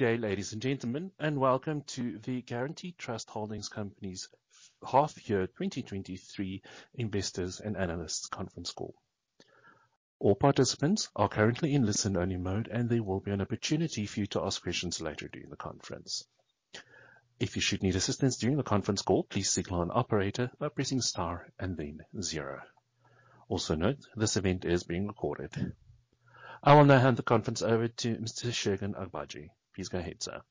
Good day, ladies and gentlemen, and welcome to the Guaranty Trust Holding Company's half year 2023 Investors and Analysts Conference Call. All participants are currently in listen-only mode, and there will be an opportunity for you to ask questions later during the conference. If you should need assistance during the conference call, please signal an operator by pressing Star and then zero. Also, note, this event is being recorded. I will now hand the conference over to Mr. Segun Agbaje. Please go ahead, sir.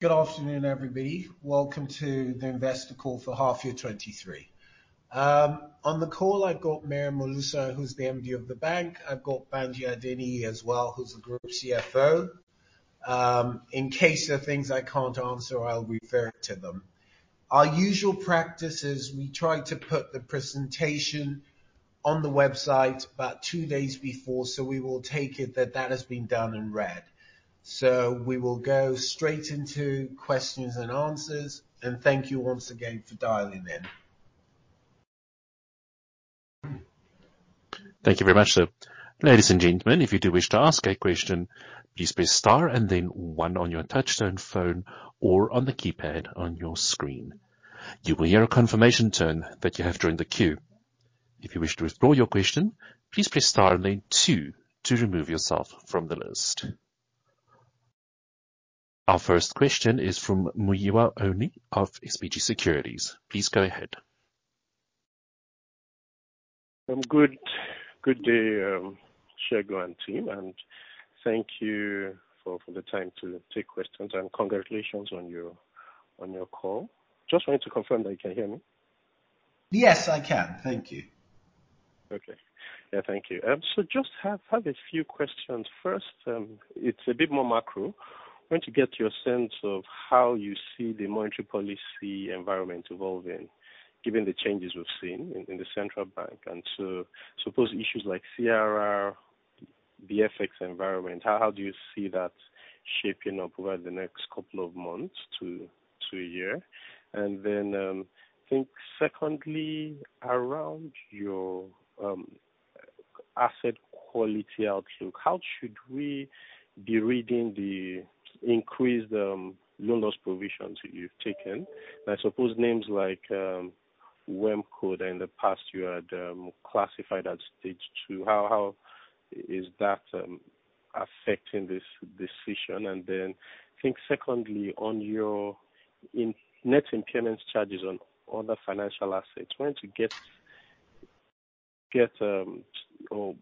Good afternoon, everybody. Welcome to the investor call for half year 2023. On the call, I've got Miriam Olusanya, who's the MD of the bank. I've got Adebanji Adeniyi as well, who's the Group CFO. In case there are things I can't answer, I'll refer to them. Our usual practice is we try to put the presentation on the website about two days before, so we will take it that that has been done and read. So we will go straight into questions and answers, and thank you once again for dialing in. Thank you very much, sir. Ladies and gentlemen, if you do wish to ask a question, please press Star and then one on your touchtone phone or on the keypad on your screen. You will hear a confirmation tone that you have joined the queue. If you wish to withdraw your question, please press Star and then two to remove yourself from the list. Our first question is from Muyiwa Oni of SPG Securities. Please go ahead. Good, good day, Segun and team, and thank you for, for the time to take questions, and congratulations on your, on your call. Just wanted to confirm that you can hear me? Yes, I can. Thank you. Okay. Yeah, thank you. So just have a few questions. First, it's a bit more macro. Want to get your sense of how you see the monetary policy environment evolving, given the changes we've seen in the central bank, and so suppose issues like CRR, the FX environment, how do you see that shaping up over the next couple of months to a year? And then, think secondly, around your asset quality outlook, how should we be reading the increased loan loss provisions you've taken? And I suppose names like WAMCO in the past you had classified as stage two. How is that affecting this decision? And then I think secondly, on your net impairment charges on other financial assets, want to get or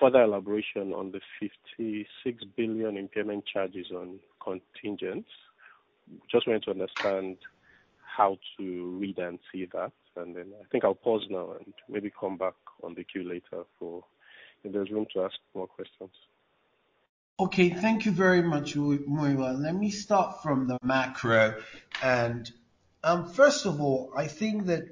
further elaboration on the 56 billion impairment charges on contingents. Just want to understand how to read and see that, and then I think I'll pause now and maybe come back on the queue later for if there's room to ask more questions. Okay, thank you very much, Muyiwa. Let me start from the macro, and, first of all, I think that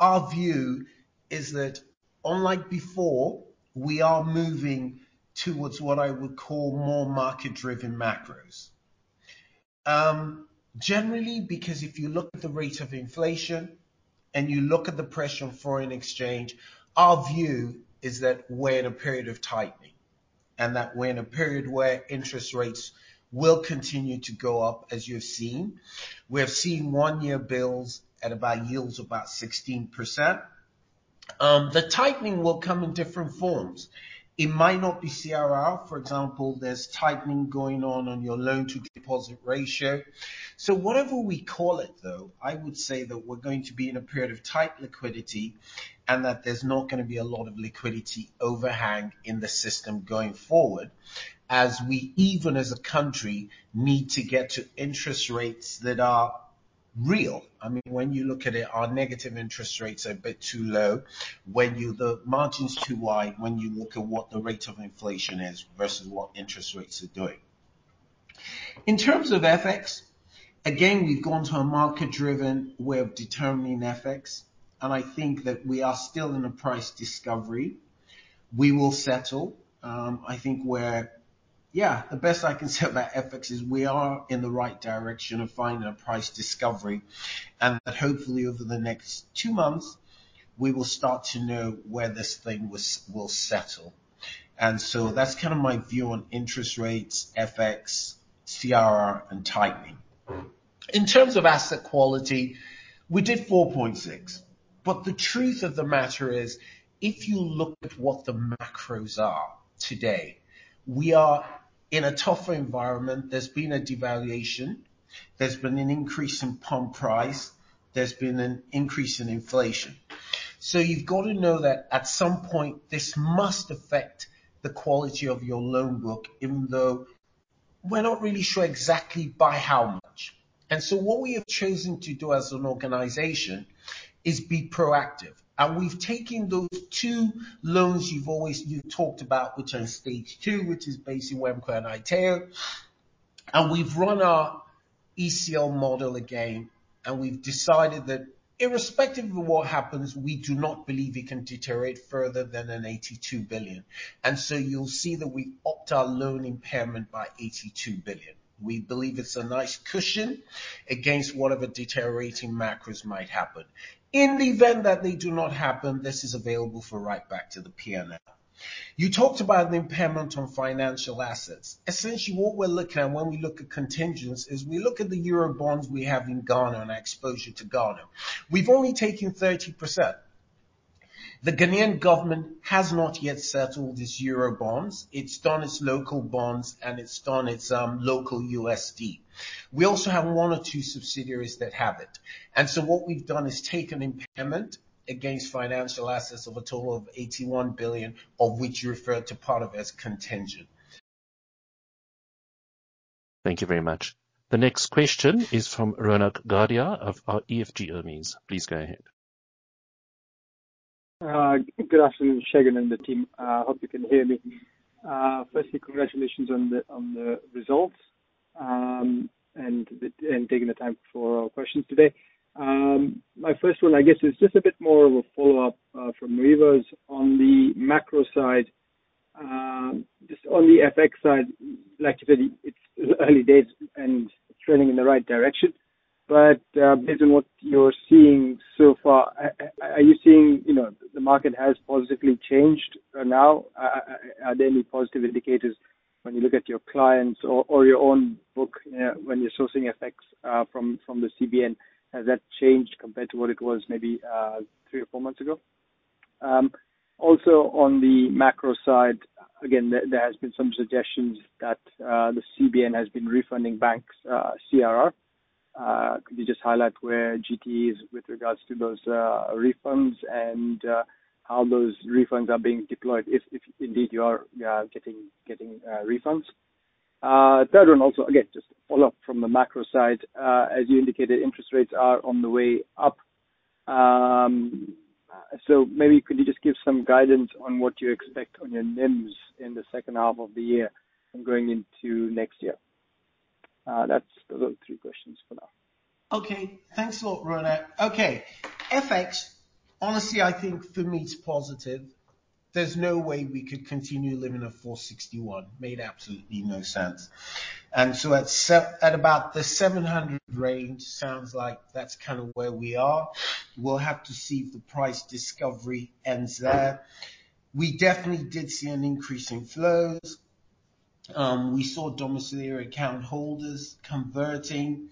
our view is that, unlike before, we are moving towards what I would call more market-driven macros. Generally, because if you look at the rate of inflation and you look at the pressure on foreign exchange, our view is that we're in a period of tightening and that we're in a period where interest rates will continue to go up, as you've seen. We have seen one-year bills at about yields about 16%. The tightening will come in different forms. It might not be CRR, for example, there's tightening going on on your loan to deposit ratio. So whatever we call it, though, I would say that we're going to be in a period of tight liquidity, and that there's not going to be a lot of liquidity overhang in the system going forward, as we, even as a country, need to get to interest rates that are real. I mean, when you look at it, our negative interest rates are a bit too low. The margin's too wide, when you look at what the rate of inflation is versus what interest rates are doing. In terms of FX, again, we've gone to a market-driven way of determining FX, and I think that we are still in a price discovery. We will settle. I think, yeah, the best I can say about FX is we are in the right direction of finding a price discovery, and that hopefully, over the next two months, we will start to know where this thing will settle. And so that's kind of my view on interest rates, FX, CRR, and tightening. In terms of asset quality, we did 4.6, but the truth of the matter is, if you look at what the macros are today, we are in a tougher environment. There's been a devaluation, there's been an increase in pump price, there's been an increase in inflation. So you've got to know that at some point, this must affect the quality of your loan book, even though we're not really sure exactly by how much. So what we have chosen to do as an organization is be proactive, and we've taken those two loans you've always - you talked about, which are stage two, which is basically WAMCO and Itaú, and we've run our ECL model again, and we've decided that irrespective of what happens, we do not believe it can deteriorate further than 82 billion. And so you'll see that we opt our loan impairment by 82 billion. We believe it's a nice cushion against whatever deteriorating macros might happen. In the event that they do not happen, this is available for right back to the PNL. You talked about the impairment on financial assets. Essentially, what we're looking at when we look at contingents is we look at the Eurobonds we have in Ghana and our exposure to Ghana. We've only taken 30%. The Ghanaian government has not yet settled its Euro bonds. It's done its local bonds, and it's done its local USD. We also have one or two subsidiaries that have it. And so what we've done is take an impairment against financial assets of a total of 81 billion, of which you referred to part of as contingent. Thank you very much. The next question is from Ronak Guardia of our EFG Hermes. Please go ahead. Good afternoon, Segun and the team. Hope you can hear me. Firstly, congratulations on the results, and taking the time for our questions today. My first one, I guess, is just a bit more of a follow-up from Rivers on the macro side. Just on the FX side, like you said, it's early days and trending in the right direction, but based on what you're seeing so far, are you seeing, you know, the market has positively changed for now? Are there any positive indicators when you look at your clients or your own book, when you're sourcing FX from the CBN, has that changed compared to what it was maybe three or four months ago? Also on the macro side, again, there has been some suggestions that the CBN has been refunding banks CRR. Could you just highlight where GT is with regards to those refunds and how those refunds are being deployed, if indeed you are getting refunds? Third one, also, again, just to follow up from the macro side, as you indicated, interest rates are on the way up. So maybe could you just give some guidance on what you expect on your NIMS in the second half of the year and going into next year? Those are the three questions for now. Okay. Thanks a lot, Ronak. Okay. FX, honestly, I think for me, it's positive. There's no way we could continue living at 461. Made absolutely no sense. And so at about the 700 range, sounds like that's kinda where we are. We'll have to see if the price discovery ends there. We definitely did see an increase in flows. We saw domiciliary account holders converting,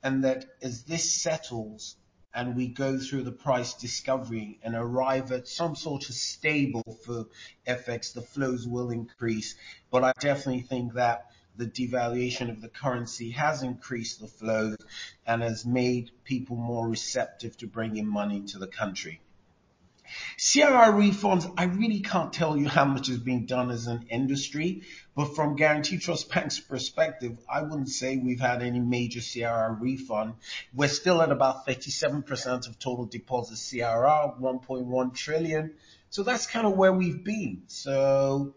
and that as this settles and we go through the price discovery and arrive at some sort of stable for FX, the flows will increase. But I definitely think that the devaluation of the currency has increased the flow and has made people more receptive to bringing money into the country. CRR refunds, I really can't tell you how much is being done as an industry, but from Guaranty Trust Bank's perspective, I wouldn't say we've had any major CRR refund. We're still at about 37% of total deposits, CRR 1.1 trillion. So that's kinda where we've been. So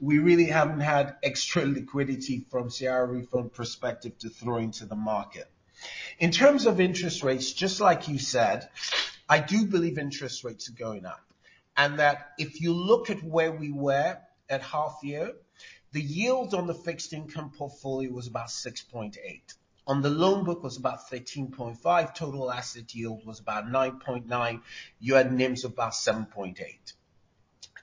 we really haven't had extra liquidity from CRR refund perspective to throw into the market. In terms of interest rates, just like you said, I do believe interest rates are going up, and that if you look at where we were at half year, the yield on the fixed income portfolio was about 6.8. On the loan book, was about 13.5. Total asset yield was about 9.9. You had NIMS of about 7.8.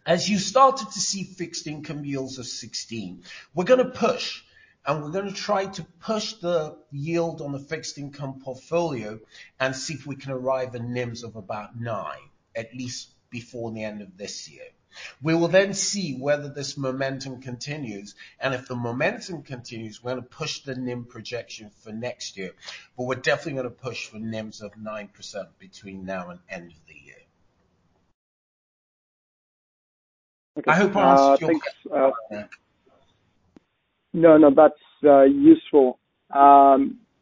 As you started to see, fixed income yields of 16, we're going to push, and we're going to try to push the yield on the fixed income portfolio and see if we can arrive at NIMS of about 9, at least before the end of this year. We will then see whether this momentum continues, and if the momentum continues, we're going to push the NIM projection for next year. But we're definitely going to push for NIMS of 9% between now and end of the year. I hope I answered your- Thanks. No, no, that's useful.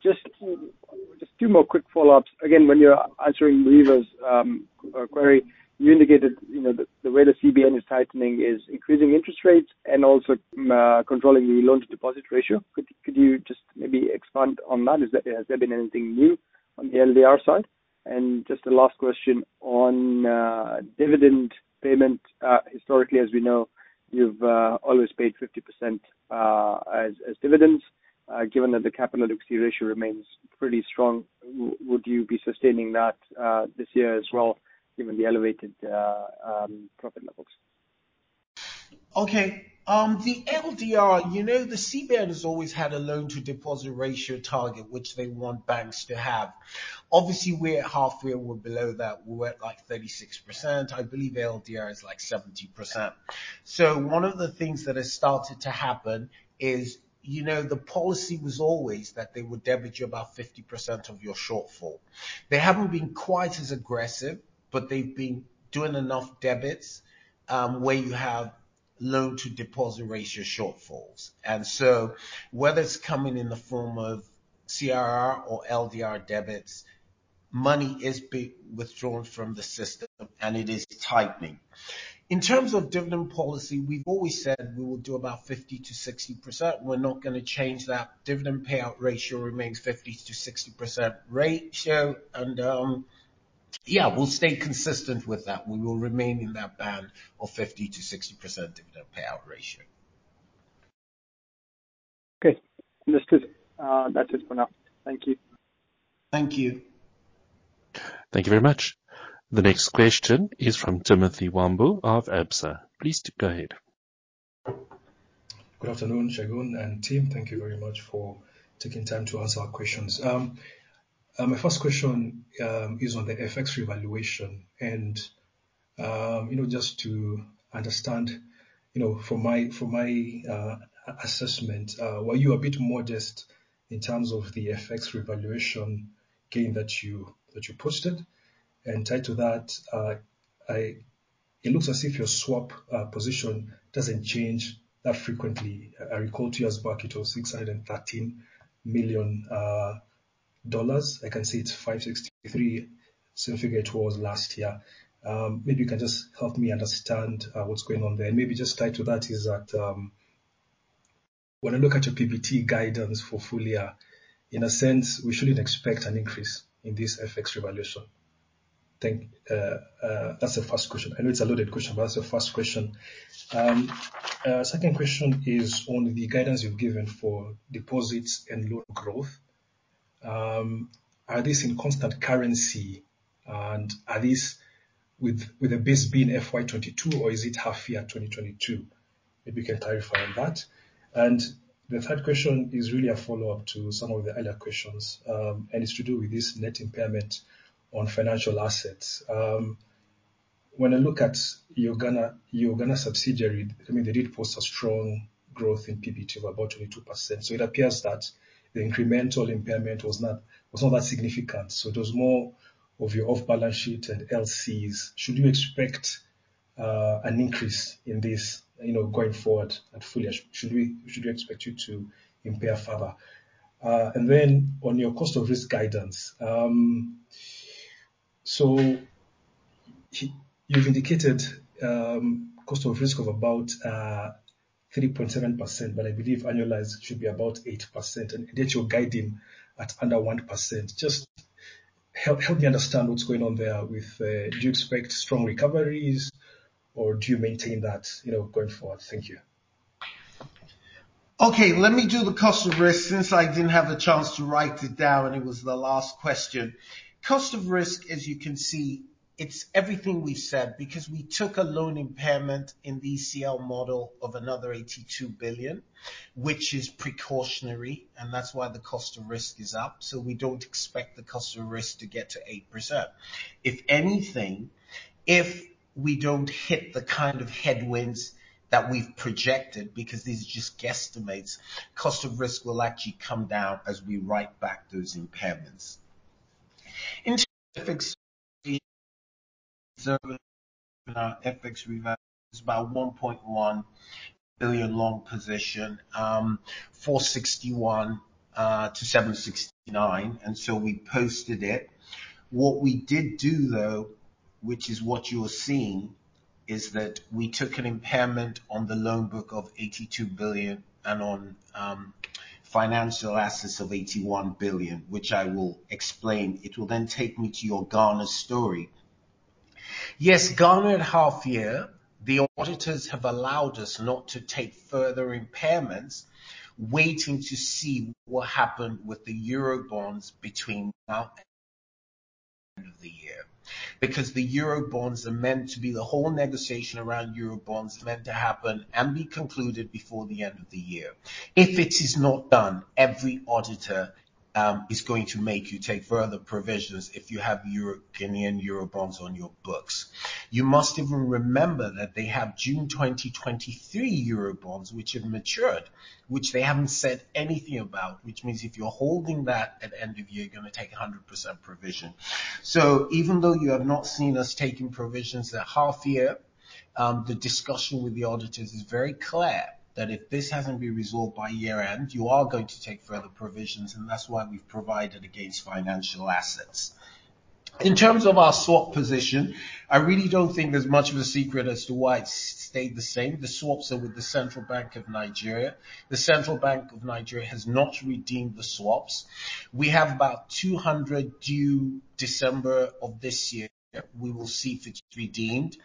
Just two more quick follow-ups. Again, when you're answering Rivers' query, you indicated, you know, the way the CBN is tightening is increasing interest rates and also controlling the loan to deposit ratio. Could you just maybe expand on that? Has there been anything new on the LDR side? And just a last question on dividend payment. Historically, as we know, you've always paid 50% as dividends. Given that the capital ratio remains pretty strong, would you be sustaining that this year as well, given the elevated profit levels? Okay. The LDR, you know, the CBN has always had a loan-to-deposit ratio target, which they want banks to have. Obviously, we're halfway or we're below that. We're at, like, 36%. I believe LDR is, like, 70%. So one of the things that has started to happen is, you know, the policy was always that they would debit you about 50% of your shortfall. They haven't been quite as aggressive, but they've been doing enough debits, where you have loan to deposit ratio shortfalls. And so whether it's coming in the form of CRR or LDR debits, money is being withdrawn from the system, and it is tightening. In terms of dividend policy, we've always said we will do about 50%-60%. We're not going to change that. Dividend payout ratio remains 50%-60% ratio, and... Yeah, we'll stay consistent with that. We will remain in that band of 50%-60% in the payout ratio. Okay, understood. That's it for now. Thank you. Thank you. Thank you very much. The next question is from Timothy Wambu of Absa. Please, go ahead. Good afternoon, Segun and team. Thank you very much for taking time to answer our questions. My first question is on the FX revaluation. And, you know, just to understand, you know, from my, from my, assessment, were you a bit modest in terms of the FX revaluation gain that you, that you posted? And tied to that, it looks as if your swap position doesn't change that frequently. I recall two years back, it was $613 million. I can see it's $563, same figure it was last year. Maybe you can just help me understand, what's going on there. And maybe just tied to that is that, when I look at your PBT guidance for full year, in a sense, we shouldn't expect an increase in this FX revaluation. That's the first question. I know it's a loaded question, but that's the first question. Second question is on the guidance you've given for deposits and loan growth. Are this in constant currency, and are this with, with the base being FY 2022, or is it half year 2022? Maybe you can clarify on that. And the third question is really a follow-up to some of the earlier questions, and it's to do with this net impairment on financial assets. When I look at your Ghana, your Ghana subsidiary, I mean, they did post a strong growth in PBT of about 22%, so it appears that the incremental impairment was not-- was not that significant. So it was more of your off-balance sheet and LC's. Should you expect, an increase in this, you know, going forward at full year? Should we expect you to impair further? And then on your cost of risk guidance. So you've indicated cost of risk of about 3.7%, but I believe annualized should be about 8%, and yet you're guiding at under 1%. Just help me understand what's going on there with. Do you expect strong recoveries, or do you maintain that, you know, going forward? Thank you. Okay, let me do the cost of risk since I didn't have a chance to write it down, and it was the last question. Cost of risk, as you can see, it's everything we've said, because we took a loan impairment in the ECL model of another 82 billion, which is precautionary, and that's why the cost of risk is up. So we don't expect the cost of risk to get to 8%. If anything, if we don't hit the kind of headwinds that we've projected, because these are just guesstimates, cost of risk will actually come down as we write back those impairments. In terms of FX, FX reval, it's about 1.1 billion long position, 461-769, and so we posted it. What we did do, though, which is what you're seeing, is that we took an impairment on the loan book of 82 billion and on financial assets of 81 billion, which I will explain. It will then take me to your Ghana story. Yes, Ghana at half year, the auditors have allowed us not to take further impairments, waiting to see what happened with the Eurobonds between now and the end of the year. Because the Eurobonds are meant to be the whole negotiation around Eurobonds are meant to happen and be concluded before the end of the year. If it is not done, every auditor is going to make you take further provisions if you have Eurobonds on your books. You must even remember that they have June 2023 Eurobonds, which have matured, which they haven't said anything about, which means if you're holding that at end of year, you're going to take 100% provision. So even though you have not seen us taking provisions at half year, the discussion with the auditors is very clear, that if this hasn't been resolved by year-end, you are going to take further provisions, and that's why we've provided against financial assets. In terms of our swap position, I really don't think there's much of a secret as to why it's stayed the same. The swaps are with the Central Bank of Nigeria. The Central Bank of Nigeria has not redeemed the swaps. We have about 200 due December of this year. We will see if it's redeemed.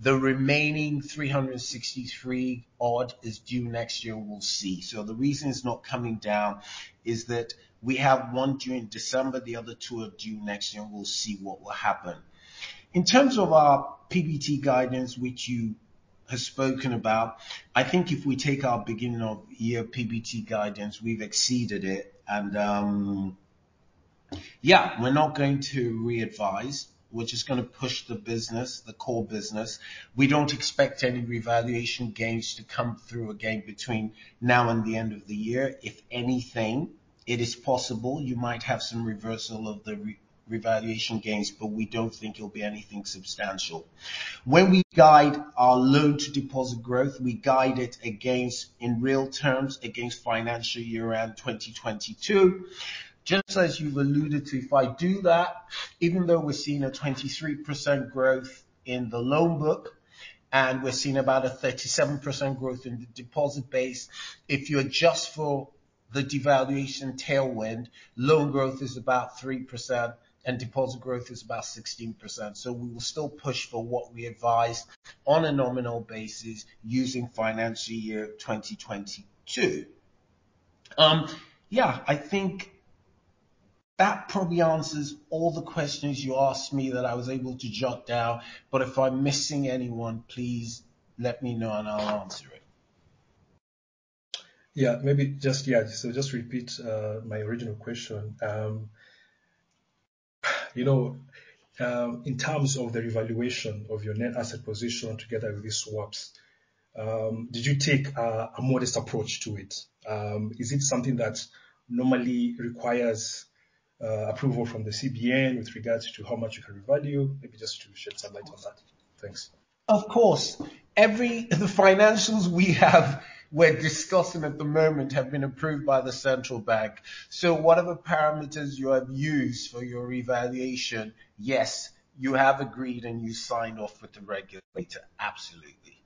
The remaining 363 odd is due next year, we'll see. So the reason it's not coming down is that we have one due in December, the other two are due next year, and we'll see what will happen. In terms of our PBT guidance, which you have spoken about, I think if we take our beginning of year PBT guidance, we've exceeded it, and, yeah, we're not going to re-advise. We're just going to push the business, the core business. We don't expect any revaluation gains to come through again between now and the end of the year. If anything, it is possible you might have some reversal of the revaluation gains, but we don't think it'll be anything substantial. When we guide our loan-to-deposit growth, we guide it against, in real terms, against financial year-end 2022. Just as you've alluded to, if I do that, even though we're seeing a 23% growth in the loan book, and we're seeing about a 37% growth in the deposit base, if you adjust for the devaluation tailwind, loan growth is about 3%, and deposit growth is about 16%. So we will still push for what we advised on a nominal basis using financial year 2022. Yeah, I think that probably answers all the questions you asked me that I was able to jot down, but if I'm missing anyone, please let me know, and I'll answer it. Yeah. Maybe just, yeah, so just repeat my original question. You know, in terms of the revaluation of your net asset position together with the swaps, did you take a modest approach to it? Is it something that normally requires approval from the CBN with regards to how much you can revalue? Maybe just to shed some light on that. Thanks. Of course. The financials we have we're discussing at the moment have been approved by the Central Bank. So whatever parameters you have used for your revaluation, yes, you have agreed, and you signed off with the regulator. Absolutely.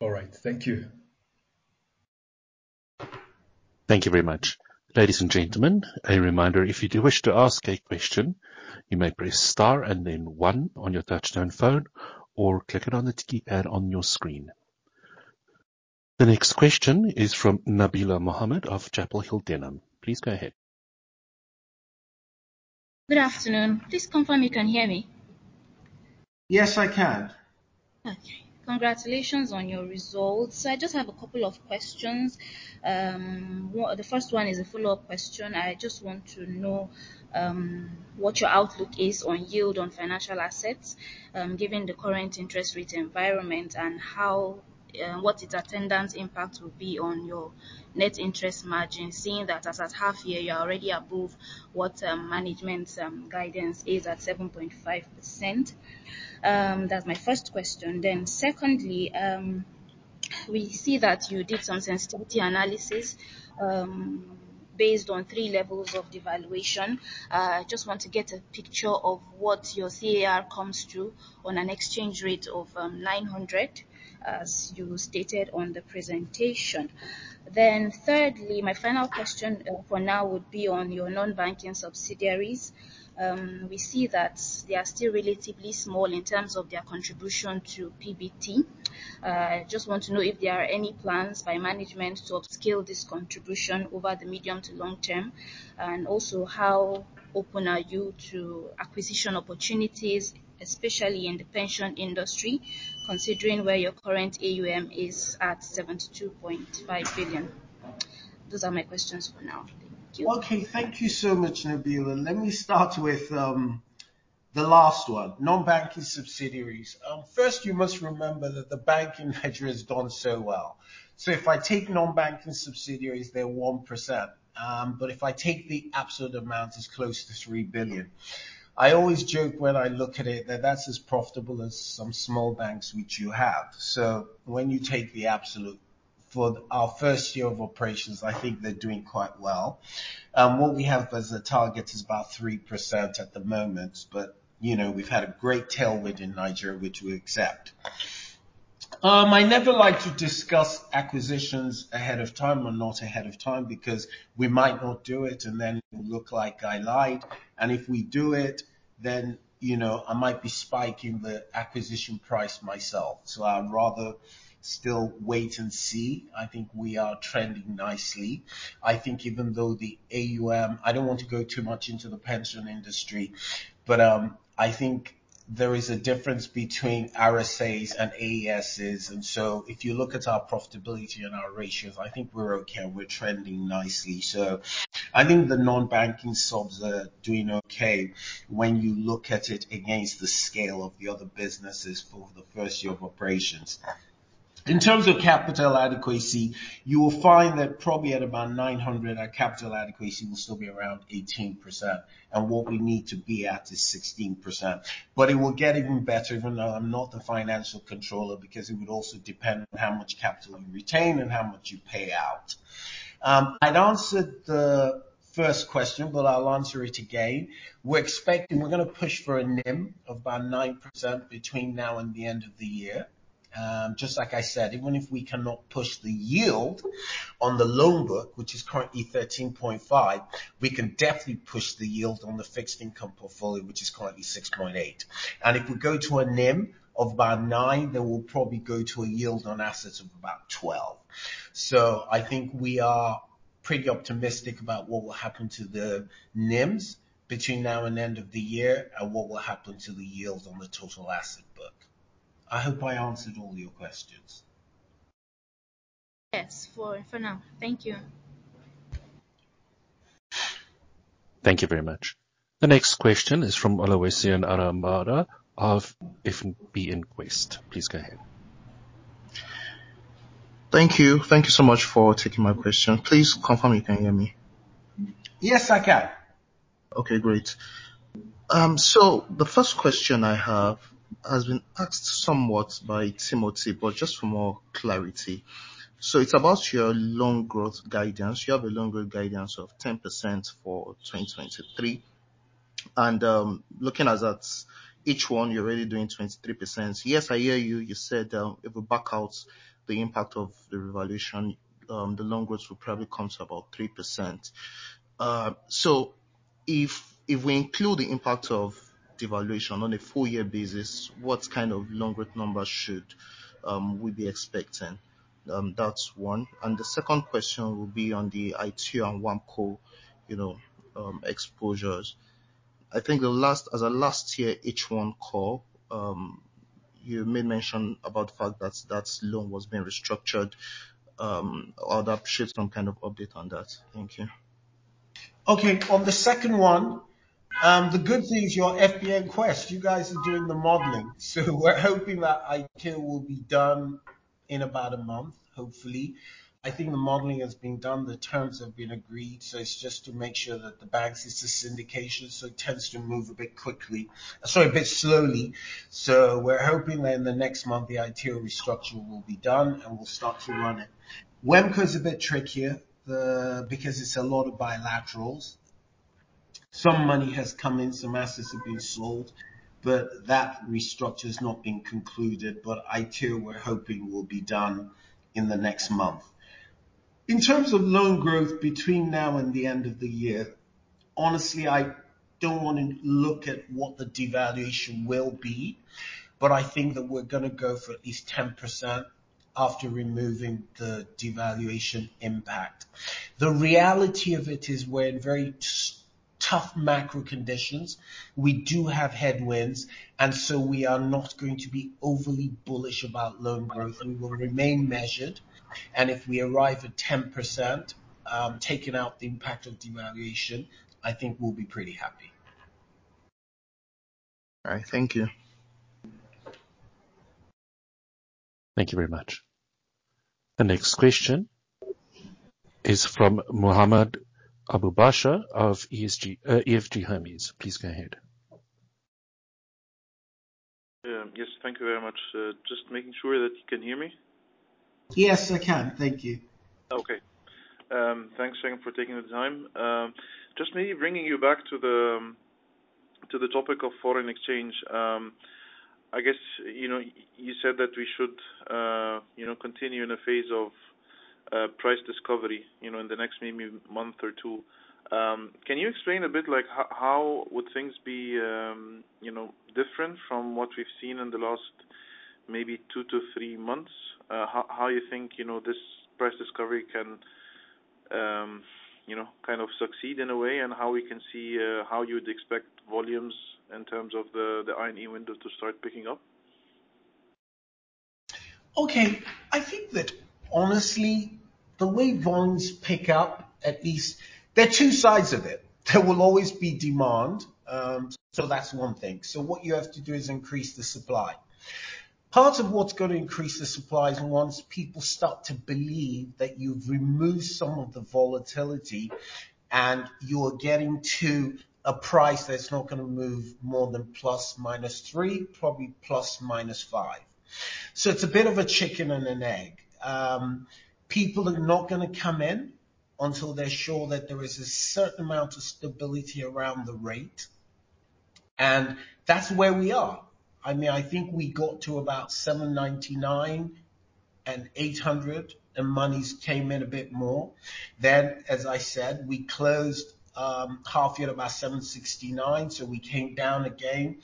All right. Thank you. Thank you very much. Ladies and gentlemen, a reminder, if you do wish to ask a question, you may press Star and then one on your touchtone phone or click it on the keypad on your screen. The next question is from Nabila Mohammed of Chapel Hill Denham. Please go ahead. Good afternoon. Please confirm you can hear me. Yes, I can. Okay. Congratulations on your results. I just have a couple of questions. One... The first one is a follow-up question. I just want to know, what your outlook is on yield on financial assets, given the current interest rate environment, and how, what its attendant impact will be on your net interest margin, seeing that as at half year, you're already above what, management, guidance is at 7.5%. That's my first question. Then secondly, we see that you did some sensitivity analysis, based on three levels of devaluation. I just want to get a picture of what your CAR comes to on an exchange rate of, 900, as you stated on the presentation. Then thirdly, my final question for now, would be on your non-banking subsidiaries. We see that they are still relatively small in terms of their contribution to PBT. I just want to know if there are any plans by management to upscale this contribution over the medium to long term, and also, how open are you to acquisition opportunities, especially in the pension industry, considering where your current AUM is at 72.5 billion? Those are my questions for now. Thank you. Okay. Thank you so much, Nabila. Let me start with the last one, non-banking subsidiaries. First, you must remember that the banking in Nigeria has done so well. So if I take non-banking subsidiaries, they're 1%. But if I take the absolute amount, it's close to 3 billion. I always joke when I look at it, that that's as profitable as some small banks which you have. So when you take the absolute for our first year of operations, I think they're doing quite well. What we have as a target is about 3% at the moment, but, you know, we've had a great tailwind in Nigeria, which we accept. I never like to discuss acquisitions ahead of time or not ahead of time because we might not do it, and then it will look like I lied. If we do it, then, you know, I might be spiking the acquisition price myself. So I would rather still wait and see. I think we are trending nicely. I think even though the AUM, I don't want to go too much into the pension industry, but, I think there is a difference between RSAs and AESs, and so if you look at our profitability and our ratios, I think we're okay, and we're trending nicely. So I think the non-banking subs are doing okay when you look at it against the scale of the other businesses for the first year of operations. In terms of capital adequacy, you will find that probably at about 900, our capital adequacy will still be around 18%, and what we need to be at is 16%. But it will get even better, even though I'm not the financial controller, because it would also depend on how much capital you retain and how much you pay out. I'd answered the first question, but I'll answer it again. We're expecting, we're going to push for a NIM of about 9% between now and the end of the year. Just like I said, even if we cannot push the yield on the loan book, which is currently 13.5, we can definitely push the yield on the fixed income portfolio, which is currently 6.8. And if we go to a NIM of about 9, then we'll probably go to a yield on assets of about 12. I think we are pretty optimistic about what will happen to the NIMs between now and end of the year and what will happen to the yield on the total asset book. I hope I answered all your questions. Yes, for now. Thank you. Thank you very much. The next question is from Oluwaseun Aramade of FBNQuest. Please go ahead. Thank you. Thank you so much for taking my question. Please confirm you can hear me. Yes, I can. Okay, great. So the first question I have has been asked somewhat by Timothy, but just for more clarity. So it's about your loan growth guidance. You have a loan growth guidance of 10% for 2023. And looking at that, Q1, you're already doing 23%. Yes, I hear you. You said, if we back out the impact of the revaluation, the loan growth will probably come to about 3%. So if, if we include the impact of devaluation on a full year basis, what kind of loan growth numbers should we be expecting? That's one. And the second question will be on the Itiel and WAMCO, you know, exposures. I think the last as at last year, Q1 call, you may mention about the fact that that loan was being restructured. I'd appreciate some kind of update on that. Thank you. Okay. On the second one, the good thing is your FBNQuest. You guys are doing the modeling, so we're hoping that Itiel will be done in about a month, hopefully. I think the modeling has been done, the terms have been agreed, so it's just to make sure that the banks, it's a syndication, so it tends to move a bit quickly, sorry, a bit slowly. So we're hoping that in the next month, the Itiel restructure will be done, and we'll start to run it. WAMCO is a bit trickier, because it's a lot of bilaterals. Some money has come in, some assets have been sold, but that restructure has not been concluded. But Itiel, we're hoping will be done in the next month. In terms of loan growth between now and the end of the year, honestly, I don't want to look at what the devaluation will be, but I think that we're going to go for at least 10% after removing the devaluation impact. The reality of it is we're in very tough macro conditions. We do have headwinds, and so we are not going to be overly bullish about loan growth, and we will remain measured. And if we arrive at 10%, taking out the impact of devaluation, I think we'll be pretty happy. All right. Thank you. Thank you very much. The next question is from Mohammed Abubasha of EFG Hermes. Please go ahead. Yes, thank you very much. Just making sure that you can hear me? Yes, I can. Thank you. Okay. Thanks again for taking the time. Just maybe bringing you back to the, to the topic of foreign exchange, I guess, you know, you said that we should, you know, continue in a phase of, price discovery, you know, in the next maybe month or two. Can you explain a bit like how, how would things be, you know, different from what we've seen in the last maybe two to three months? How, how you think, you know, this price discovery can, you know, kind of succeed in a way, and how we can see, how you'd expect volumes in terms of the, the INE Window to start picking up? Okay. I think that honestly, the way bonds pick up, at least. There are two sides of it. There will always be demand, so that's one thing. So what you have to do is increase the supply. Part of what's going to increase the supply is once people start to believe that you've removed some of the volatility, and you're getting to a price that's not going to move more than ±3, probably ±5. So it's a bit of a chicken and an egg. People are not going to come in until they're sure that there is a certain amount of stability around the rate, and that's where we are. I mean, I think we got to about 799 and 800, and monies came in a bit more. Then, as I said, we closed half year at about 769, so we came down again.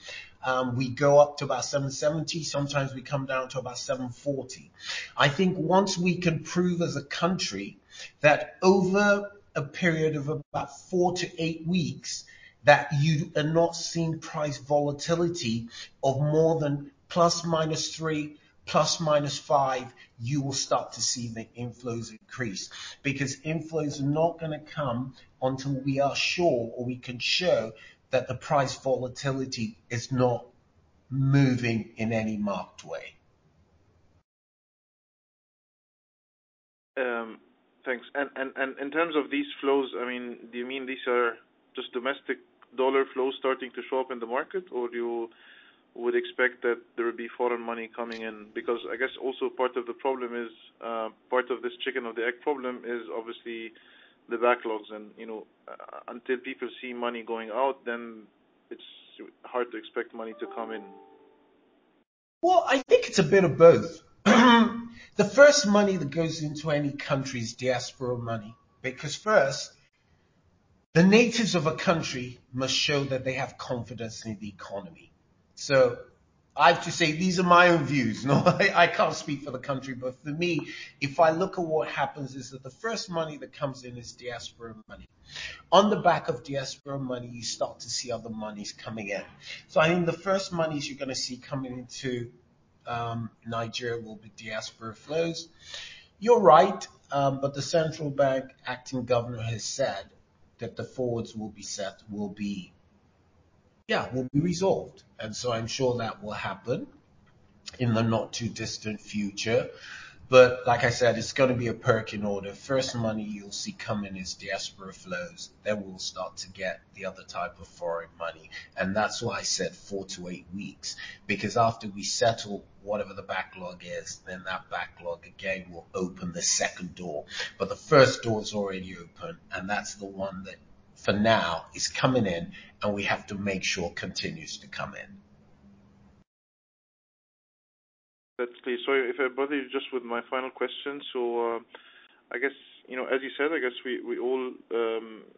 We go up to about 770, sometimes we come down to about 740. I think once we can prove as a country that over a period of about 4-8 weeks, that you are not seeing price volatility of more than ±3, ±5, you will start to see the inflows increase. Because inflows are not going to come until we are sure, or we can show, that the price volatility is not moving in any marked way. Thanks. And in terms of these flows, I mean, do you mean these are just domestic dollar flows starting to show up in the market, or you would expect that there will be foreign money coming in? Because I guess also part of the problem is part of this chicken or the egg problem is obviously the backlogs and, you know, until people see money going out, then it's hard to expect money to come in. Well, I think it's a bit of both. The first money that goes into any country is diaspora money, because first, the natives of a country must show that they have confidence in the economy. So I have to say, these are my own views, not like I can't speak for the country, but for me, if I look at what happens, is that the first money that comes in is diaspora money. On the back of diaspora money, you start to see other monies coming in. So I think the first monies you're going to see coming into Nigeria will be diaspora flows. You're right, but the Central Bank acting governor has said that the forwards will be set, will be... Yeah, will be resolved. And so I'm sure that will happen in the not-too-distant future. But like I said, it's going to be a perk in order. First money you'll see coming is diaspora flows, then we'll start to get the other type of foreign money. That's why I said 4-8 weeks, because after we settle whatever the backlog is, then that backlog, again, will open the second door. The first door is already open, and that's the one that, for now, is coming in, and we have to make sure continues to come in. That's clear. So if I bother you just with my final question. So, I guess, you know, as you said, I guess we, we all,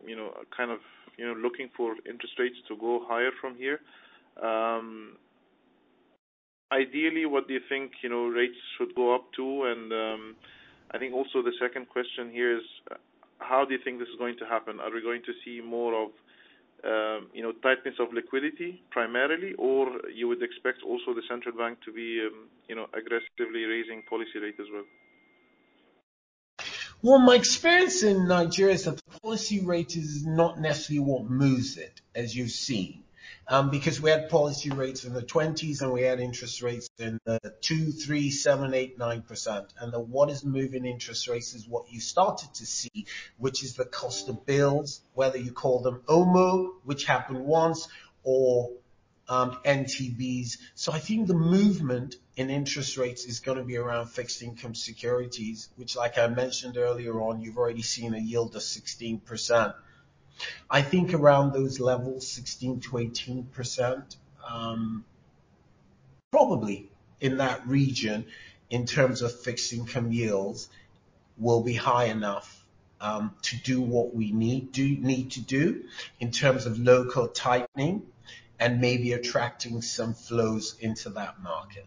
you know, are kind of, you know, looking for interest rates to go higher from here. Ideally, what do you think, you know, rates should go up to? And, I think also the second question here is: how do you think this is going to happen? Are we going to see more of, you know, tightness of liquidity primarily, or you would expect also the central bank to be, you know, aggressively raising policy rate as well? Well, my experience in Nigeria is that the policy rate is not necessarily what moves it, as you've seen. Because we had policy rates in the 20s, and we had interest rates in the 2, 3, 7, 8, 9 percent, and what is moving interest rates is what you started to see, which is the cost of bills, whether you call them OMO, which happened once, or NTBs. So I think the movement in interest rates is going to be around fixed income securities, which, like I mentioned earlier on, you've already seen a yield of 16%. I think around those levels, 16%-18%, probably in that region, in terms of fixed income yields, will be high enough to do what we need to do in terms of local tightening and maybe attracting some flows into that market.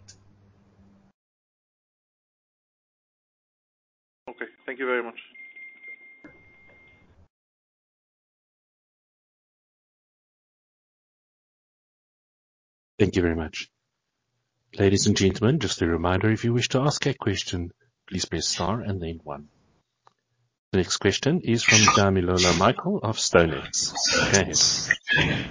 Okay. Thank you very much. Thank you very much. Ladies and gentlemen, just a reminder, if you wish to ask a question, please press Star and then One. The next question is from Damilola Michael of Stonex. Go ahead.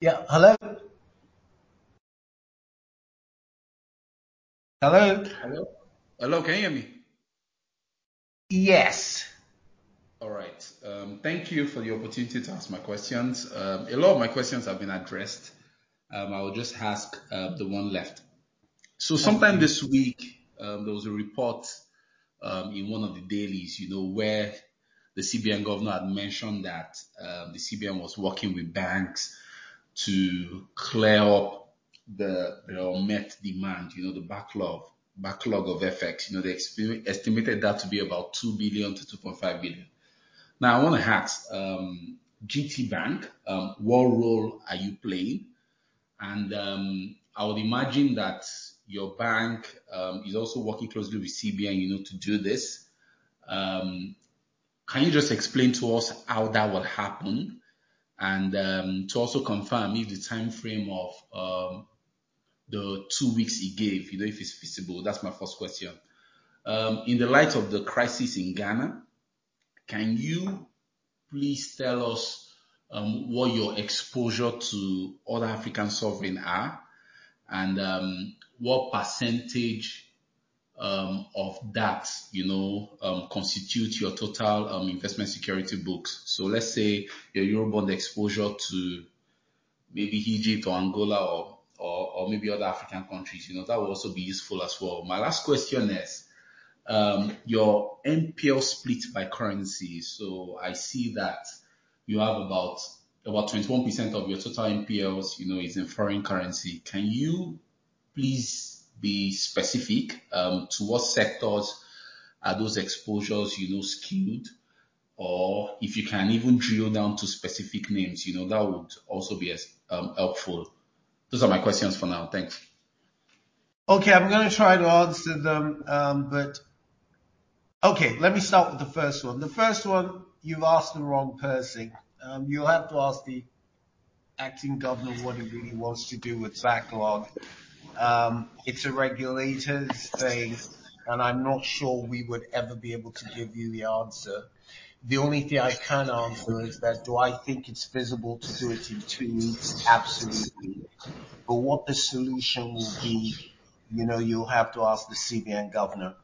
Yeah. Hello? Hello. Hello. Hello, can you hear me? Yes. All right. Thank you for the opportunity to ask my questions. A lot of my questions have been addressed. I will just ask the one left. Okay. So sometime this week, there was a report in one of the dailies, you know, where the CBN governor had mentioned that the CBN was working with banks to clear up the unmet demand, you know, the backlog of effects. You know, they estimated that to be about $2 billion-$2.5 billion. Now, I want to ask GT Bank what role are you playing? And I would imagine that your bank is also working closely with CBN, you know, to do this. Can you just explain to us how that would happen and to also confirm if the time frame of the two weeks he gave, you know, if it's feasible? That's my first question. In the light of the crisis in Ghana, can you please tell us what your exposure to other African sovereign are, and what percentage of that, you know, constitutes your total investment security books? So let's say your Eurobond exposure to maybe Egypt or Angola or maybe other African countries, you know, that would also be useful as well. My last question is your NPL split by currency. So I see that you have about 21% of your total NPLs, you know, is in foreign currency. Can you please be specific to what sectors are those exposures, you know, skewed? Or if you can even drill down to specific names, you know, that would also be as helpful. Those are my questions for now. Thanks. Okay, I'm going to try to answer them, but. Okay, let me start with the first one. The first one, you've asked the wrong person. You'll have to ask the acting governor what he really wants to do with backlog. It's a regulator's thing, and I'm not sure we would ever be able to give you the answer. The only thing I can answer is that, do I think it's visible to do it in two weeks? Absolutely. But what the solution will be, you know, you'll have to ask the CBN governor.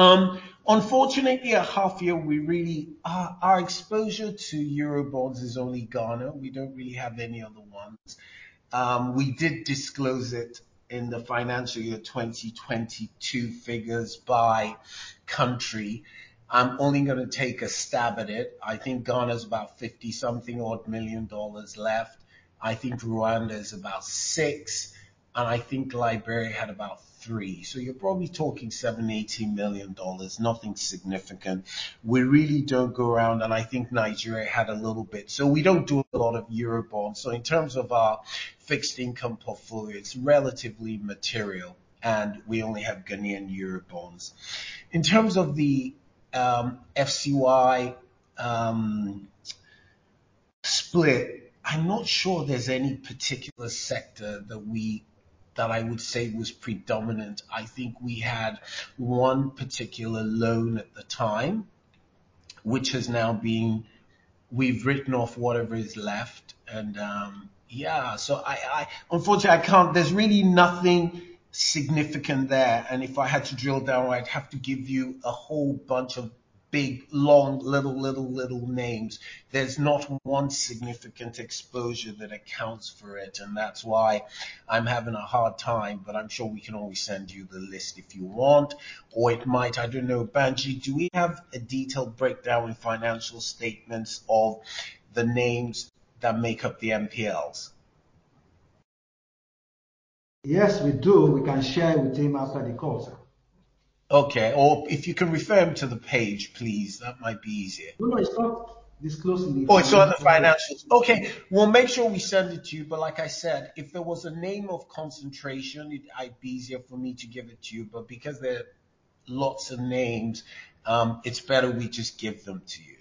Unfortunately, at half year, we really, our exposure to Eurobonds is only Ghana. We don't really have any other ones. We did disclose it in the financial year 2022 figures by country. I'm only going to take a stab at it. I think Ghana is about $50-something-odd million left. I think Rwanda is about 6, and I think Liberia had about 3. So you're probably talking $7-$80 million, nothing significant. We really don't go around, and I think Nigeria had a little bit. So we don't do a lot of Eurobonds. So in terms of our fixed income portfolio, it's relatively material, and we only have Ghanaian Eurobonds. In terms of the FCY split, I'm not sure there's any particular sector that that I would say was predominant. I think we had one particular loan at the time, which has now been. We've written off whatever is left and, yeah. So, unfortunately, I can't. There's really nothing significant there, and if I had to drill down, I'd have to give you a whole bunch of big, long, little, little, little names. There's not one significant exposure that accounts for it, and that's why I'm having a hard time. But I'm sure we can always send you the list if you want, or it might, I don't know, Banji, do we have a detailed breakdown in financial statements of the names that make up the NPLs? Yes, we do. We can share with him after the call, sir. Okay. Or if you can refer him to the page, please, that might be easier. No, no, it's not disclosing. Oh, it's on the financials. Okay, we'll make sure we send it to you. But like I said, if there was a name of concentration, it, it'd be easier for me to give it to you. But because there are lots of names, it's better we just give them to you.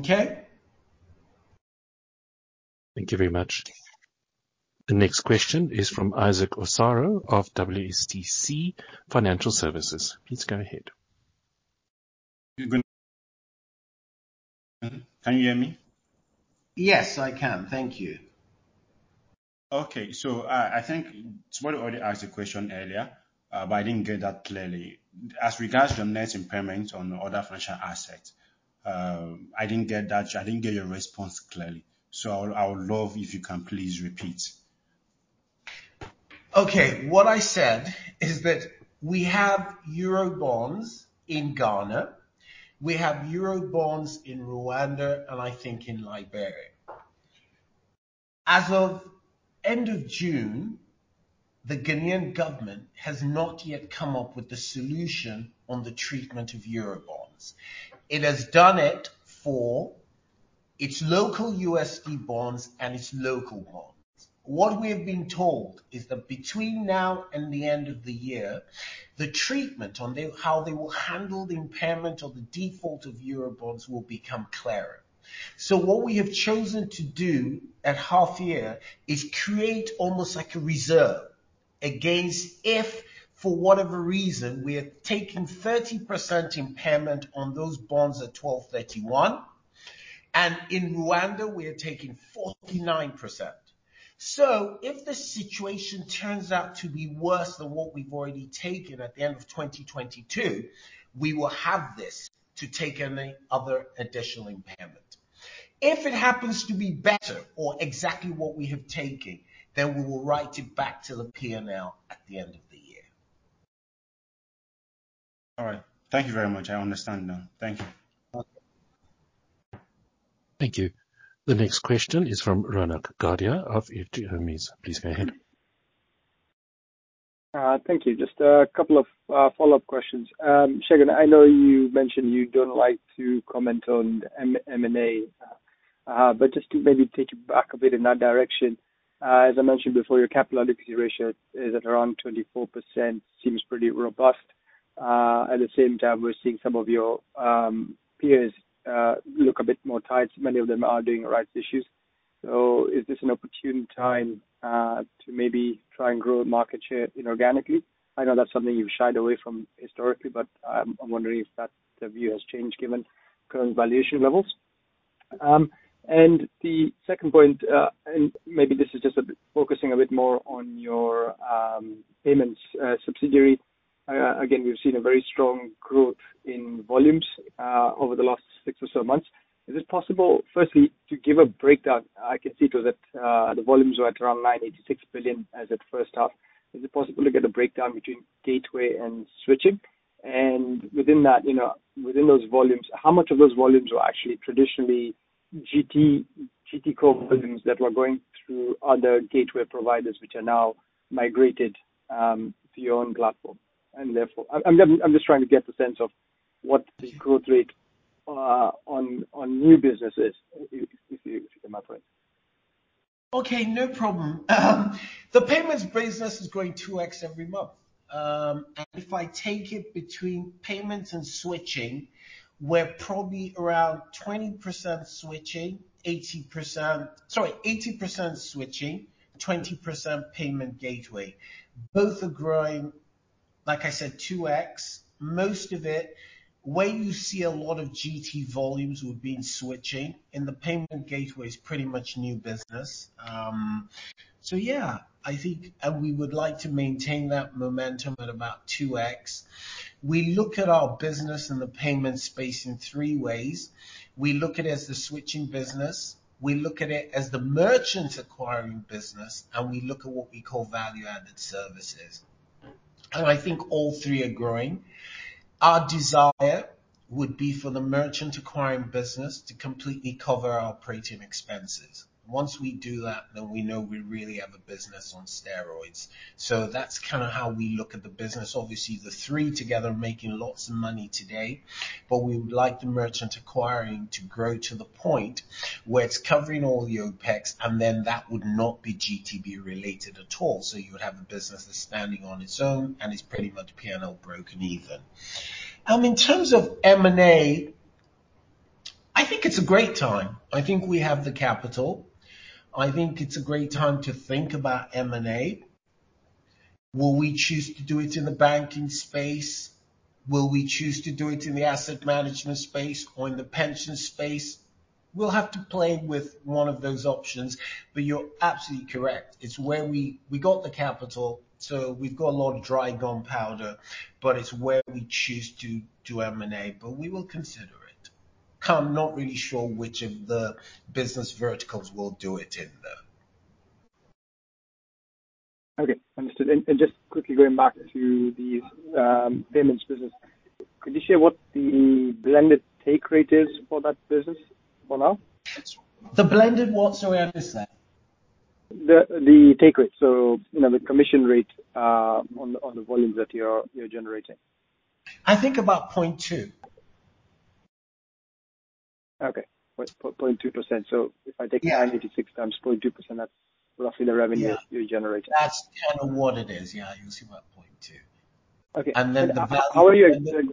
Okay? Thank you very much. The next question is from Isaac Osaro of WSTC Financial Services. Please go ahead. Can you hear me? Yes, I can. Thank you. Okay, so, I think someone already asked a question earlier, but I didn't get that clearly. As regards to the net impairment on other financial assets, I didn't get that. I didn't get your response clearly, so I would, I would love if you can please repeat. Okay. What I said is that we have Eurobonds in Ghana, we have Eurobonds in Rwanda, and I think in Liberia. As of end of June, the Ghanaian government has not yet come up with a solution on the treatment of Eurobonds. It has done it for its local USD bonds and its local bonds. What we have been told is that between now and the end of the year, the treatment on how they will handle the impairment or the default of Eurobonds will become clearer. So what we have chosen to do at half year is create almost like a reserve against if, for whatever reason, we are taking 30% impairment on those bonds at 12/31, and in Rwanda we are taking 49%. If the situation turns out to be worse than what we've already taken at the end of 2022, we will have this to take any other additional impairment. If it happens to be better or exactly what we have taken, then we will write it back to the PNL at the end of the year. All right. Thank you very much. I understand now. Thank you. Okay. Thank you. The next question is from Ronak Guardia of EFG Hermes. Please go ahead. Thank you. Just a couple of follow-up questions. Segun, I know you mentioned you don't like to comment on M&A, but just to maybe take it back a bit in that direction. As I mentioned before, your capital adequacy ratio is at around 24%. Seems pretty robust. At the same time, we're seeing some of your peers look a bit more tight. Many of them are doing rights issues. So is this an opportune time to maybe try and grow market share inorganically? I know that's something you've shied away from historically, but I'm wondering if that view has changed given current valuation levels. And the second point, and maybe this is just a bit—focusing a bit more on your payments subsidiary. Again, we've seen a very strong growth in volumes over the last six or so months. Is it possible, firstly, to give a breakdown? I can see that the volumes were at around 986 billion as at first half. Is it possible to get a breakdown between gateway and switching? And within that, you know, within those volumes, how much of those volumes are actually traditionally GT, GT core volumes that were going through other gateway providers, which are now migrated to your own platform? And therefore. I'm just trying to get a sense of what the growth rate on new business is, if you can clarify. Okay, no problem. The payments business is growing 2x every month. And if I take it between payments and switching, we're probably around 20% switching, 80%... Sorry, 80% switching, 20% payment gateway. Both are growing, like I said, 2x. Most of it, where you see a lot of GT volumes, we've been switching, and the payment gateway is pretty much new business. So yeah, I think, and we would like to maintain that momentum at about 2x. We look at our business in the payment space in three ways: We look at it as the switching business, we look at it as the merchant acquiring business, and we look at what we call value-added services. And I think all three are growing. Our desire would be for the merchant acquiring business to completely cover our operating expenses. Once we do that, then we know we really have a business on steroids. So that's kinda how we look at the business. Obviously, the three together are making lots of money today, but we would like the merchant acquiring to grow to the point where it's covering all the OpEx, and then that would not be GTB related at all. So you would have a business that's standing on its own, and it's pretty much P&L break even. In terms of M&A, I think it's a great time. I think we have the capital. I think it's a great time to think about M&A. Will we choose to do it in the banking space? Will we choose to do it in the asset management space or in the pension space? We'll have to play with one of those options, but you're absolutely correct. It's where we got the capital, so we've got a lot of dry gunpowder, but it's where we choose to M&A. But we will consider it. I'm not really sure which of the business verticals will do it in, though. Okay, understood. Just quickly going back to the payments business. Could you share what the blended take rate is for that business for now? The blended what, sorry, I missed that? The take rate, so, you know, the commission rate on the volumes that you're generating. I think about 0.2. Okay. 0.2%. Yeah. If I take 986 times 0.2%, that's roughly the revenue- Yeah. - you're generating. That's kind of what it is. Yeah, you see about 0.2. Okay. And then the value. How are you?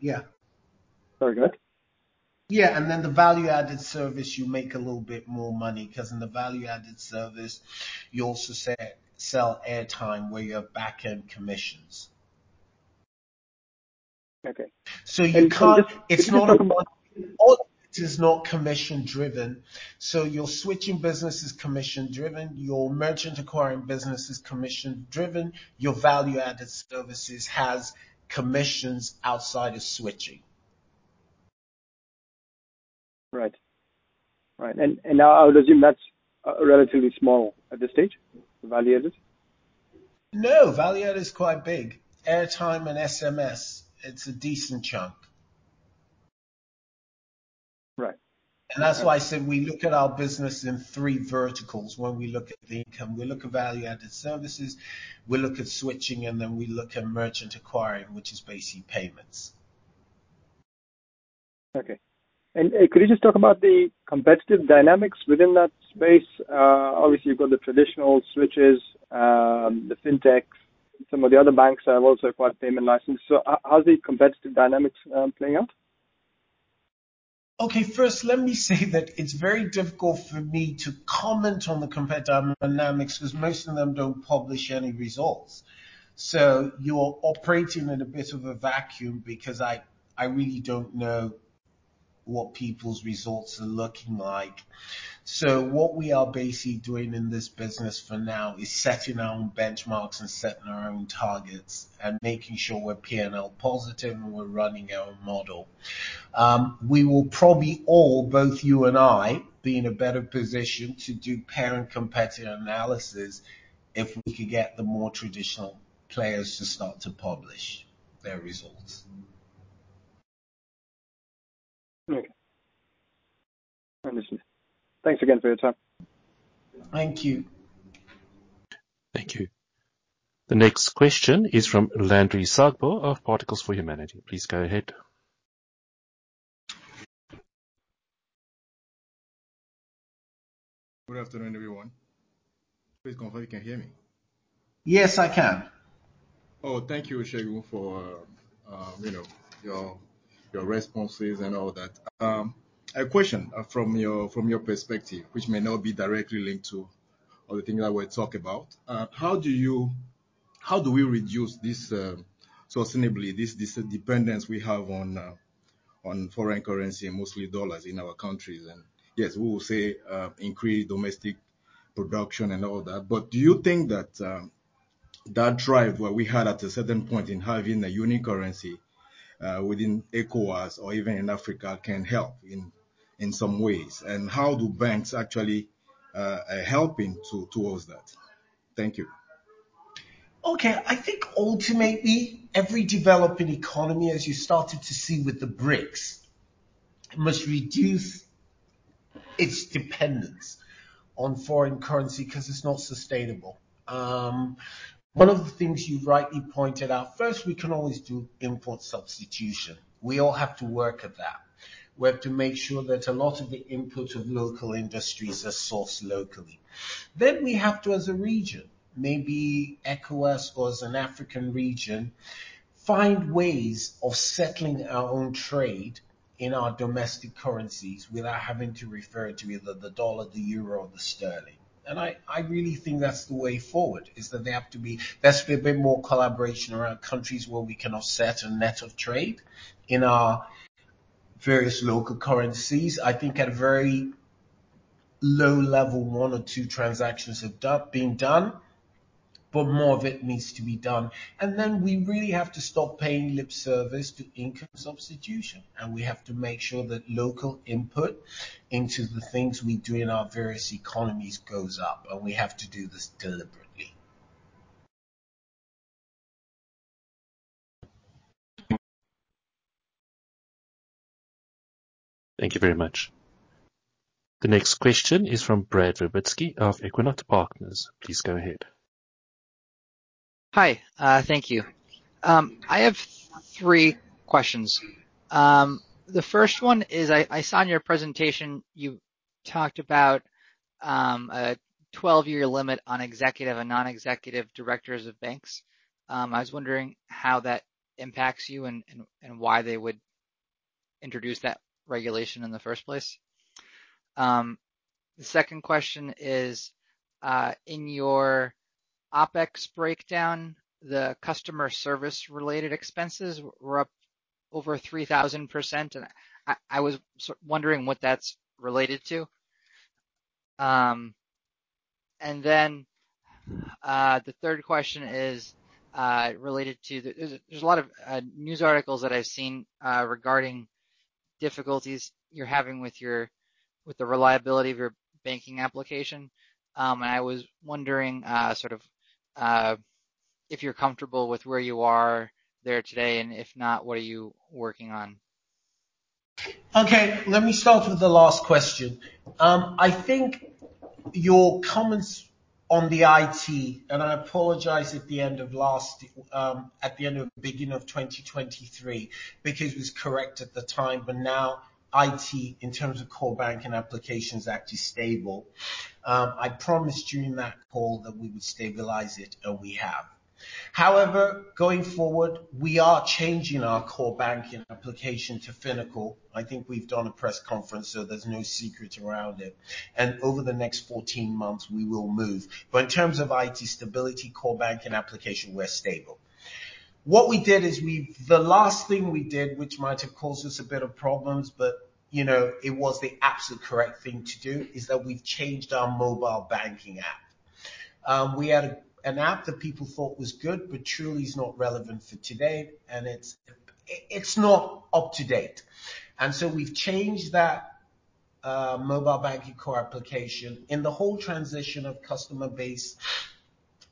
Yeah. Very good. Yeah, and then the value-added service, you make a little bit more money, 'cause in the value-added service, you also sell airtime, where you have back-end commissions. Okay. It's not a model. All is not commission-driven. So your switching business is commission-driven, your merchant acquiring business is commission-driven, your value-added services has commissions outside of switching. Right. Right, and I would assume that's relatively small at this stage, value added? No, value add is quite big. Airtime and SMS, it's a decent chunk. Right. That's why I said we look at our business in three verticals when we look at the income. We look at value-added services, we look at switching, and then we look at merchant acquiring, which is basically payments. Okay. And could you just talk about the competitive dynamics within that space? Obviously, you've got the traditional switches, the fintech. Some of the other banks have also acquired payment license. So how are the competitive dynamics playing out? Okay, first, let me say that it's very difficult for me to comment on the competitive dynamics, because most of them don't publish any results. So you're operating in a bit of a vacuum because I, I really don't know what people's results are looking like. So what we are basically doing in this business for now is setting our own benchmarks and setting our own targets and making sure we're PNL positive and we're running our own model. We will probably all, both you and I, be in a better position to do parent competitor analysis if we could get the more traditional players to start to publish their results. Okay. Understood. Thanks again for your time. Thank you. Thank you. The next question is from Landry Sagbo of Particles for Humanity. Please go ahead. Good afternoon, everyone. Please confirm you can hear me. Yes, I can. Oh, thank you, Segun, for you know, your responses and all that. A question from your perspective, which may not be directly linked to other things that we talk about. How do you—how do we reduce this sustainably, this dependence we have on foreign currency, and mostly US dollars in our countries? And yes, we will say increase domestic production and all that. But do you think that that drive, what we had at a certain point in having a unique currency within ECOWAS or even in Africa, can help in some ways? And how do banks actually helping towards that? Thank you. Okay. I think ultimately, every developing economy, as you started to see with the bricks, must reduce its dependence on foreign currency because it's not sustainable. One of the things you've rightly pointed out, first, we can always do import substitution. We all have to work at that. We have to make sure that a lot of the input of local industries are sourced locally. Then we have to, as a region, maybe ECOWAS or as an African region, find ways of settling our own trade in our domestic currencies without having to refer to either the dollar, the euro, or the sterling. And I, I really think that's the way forward, is that there have to be. There has to be a bit more collaboration around countries where we can offset a net of trade in our various local currencies. I think at a very low level, one or two transactions have been done, but more of it needs to be done. And then we really have to stop paying lip service to income substitution, and we have to make sure that local input into the things we do in our various economies goes up, and we have to do this deliberately. Thank you very much. The next question is from Brad Virbitsky of Equinox Partners. Please go ahead. Hi. Thank you. I have three questions. The first one is, I saw in your presentation you talked about a 12-year limit on executive and non-executive directors of banks. I was wondering how that impacts you and why they would introduce that regulation in the first place? The second question is, in your OPEX breakdown, the customer service related expenses were up over 3,000%, and I was sort of wondering what that's related to. And then, the third question is related to the. There's a lot of news articles that I've seen regarding difficulties you're having with the reliability of your banking application. And I was wondering sort of if you're comfortable with where you are there today, and if not, what are you working on? Okay, let me start with the last question. I think your comments on the IT, and I apologize at the end of last, at the end of beginning of 2023, because it was correct at the time. But now, IT, in terms of core banking application, is actually stable. I promised you in that call that we would stabilize it, and we have. However, going forward, we are changing our core banking application to Finacle. I think we've done a press conference, so there's no secret around it, and over the next 14 months, we will move. But in terms of IT stability, core banking application, we're stable. What we did is we, the last thing we did, which might have caused us a bit of problems, but, you know, it was the absolute correct thing to do, is that we've changed our mobile banking app. We had an app that people thought was good, but truly is not relevant for today, and it's not up to date. So we've changed that mobile banking core application. In the whole transition of customer base,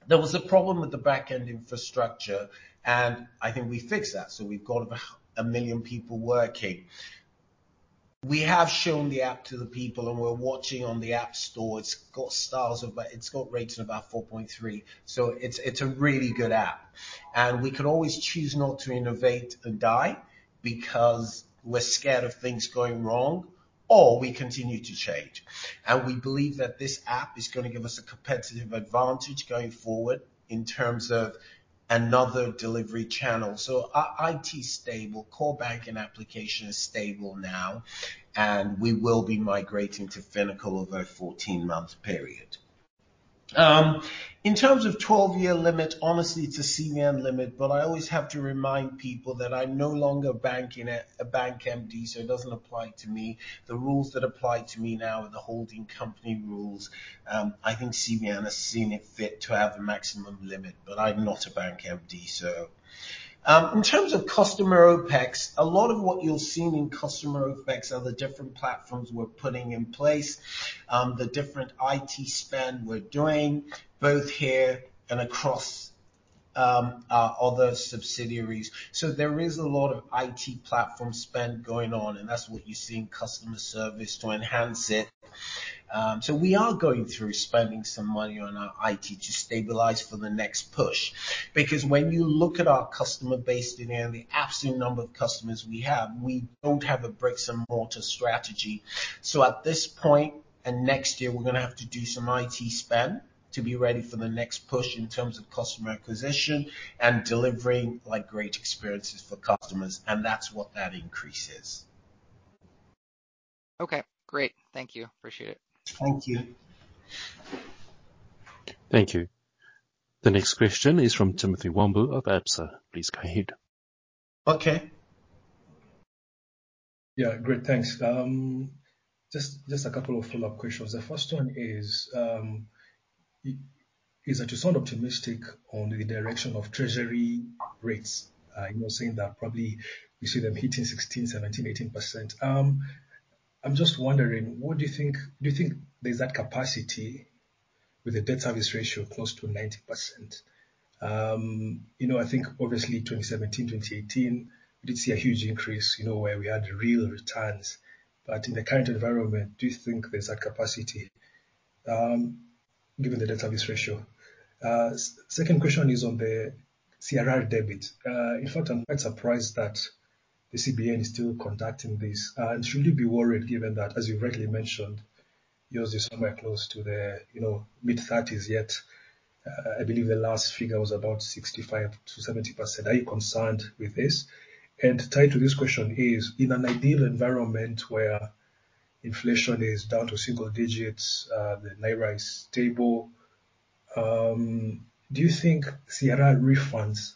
there was a problem with the back-end infrastructure, and I think we fixed that, so we've got about 1 million people working. We have shown the app to the people, and we're watching on the App Store. It's got stars, but it's got rates of about 4.3. So it's a really good app. We could always choose not to innovate and die because we're scared of things going wrong, or we continue to change. We believe that this app is going to give us a competitive advantage going forward in terms of another delivery channel. So our IT is stable, core banking application is stable now, and we will be migrating to Finacle over a 14-month period. In terms of 12-year limit, honestly, it's a CBN limit, but I always have to remind people that I'm no longer a bank MD, so it doesn't apply to me. The rules that apply to me now are the holding company rules. I think CBN has seen it fit to have a maximum limit, but I'm not a bank MD, so. In terms of customer OpEx, a lot of what you're seeing in customer OpEx are the different platforms we're putting in place, the different IT spend we're doing, both here and across, our other subsidiaries. So there is a lot of IT platform spend going on, and that's what you see in customer service to enhance it. We are going through spending some money on our IT to stabilize for the next push. Because when you look at our customer base and the absolute number of customers we have, we don't have a bricks and mortar strategy. At this point, and next year, we're going to have to do some IT spend to be ready for the next push in terms of customer acquisition and delivering, like, great experiences for customers, and that's what that increase is. Okay, great. Thank you. Appreciate it. Thank you. Thank you. The next question is from Timothy Wambu of Absa. Please go ahead. Okay. Yeah. Great, thanks. Just, just a couple of follow-up questions. The first one is, you, you sound optimistic on the direction of treasury rates. You know, saying that probably you see them hitting 16, 17, 18%. I'm just wondering: What do you think. Do you think there's that capacity with the debt service ratio close to 90%? You know, I think obviously 2017, 2018, we did see a huge increase, you know, where we had real returns. But in the current environment, do you think there's that capacity, given the debt service ratio? Second question is on the CRR debit. In fact, I'm quite surprised that the CBN is still conducting this. Should we be worried, given that, as you've rightly mentioned, yours is somewhere close to the, you know, mid-30s, yet I believe the last figure was about 65%-70%. Are you concerned with this? And tied to this question is: In an ideal environment where inflation is down to single digits, the naira is stable, do you think CRR refunds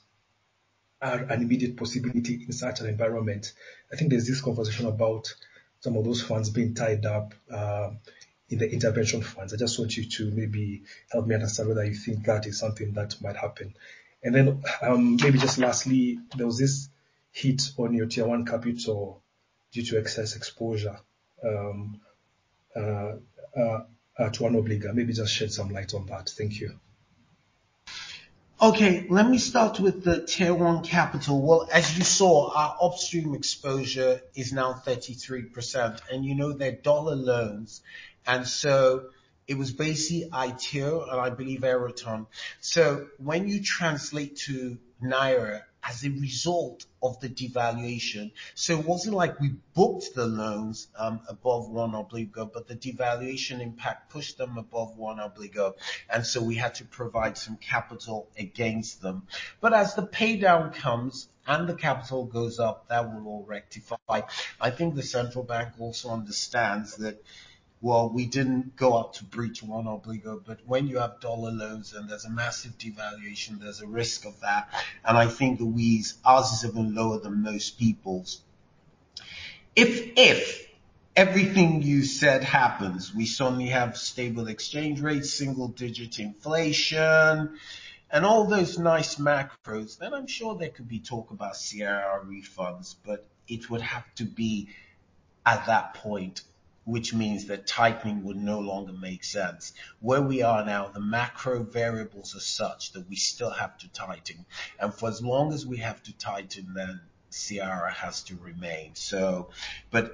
are an immediate possibility in such an environment? I think there's this conversation about some of those funds being tied up in the intervention funds. I just want you to maybe help me understand whether you think that is something that might happen. And then, maybe just lastly, there was this hit on your Tier-1 capital due to excess exposure to one obligor. Maybe just shed some light on that. Thank you. Okay, let me start with the Tier-1 capital. Well, as you saw, our upstream exposure is now 33%, and you know they're dollar loans. And so it was basically ITIO and, I believe, Aeroton. So when you translate to naira as a result of the devaluation... So it wasn't like we booked the loans above one obligor, but the devaluation impact pushed them above one obligor, and so we had to provide some capital against them. But as the paydown comes and the capital goes up, that will all rectify. I think the central bank also understands that. Well, we didn't go up to breach one obligor, but when you have dollar loans and there's a massive devaluation, there's a risk of that, and I think that we, ours is even lower than most people's. If everything you said happens, we certainly have stable exchange rates, single-digit inflation, and all those nice macros, then I'm sure there could be talk about CRR refunds, but it would have to be at that point, which means that tightening would no longer make sense. Where we are now, the macro variables are such that we still have to tighten, and for as long as we have to tighten, then CRR has to remain. So but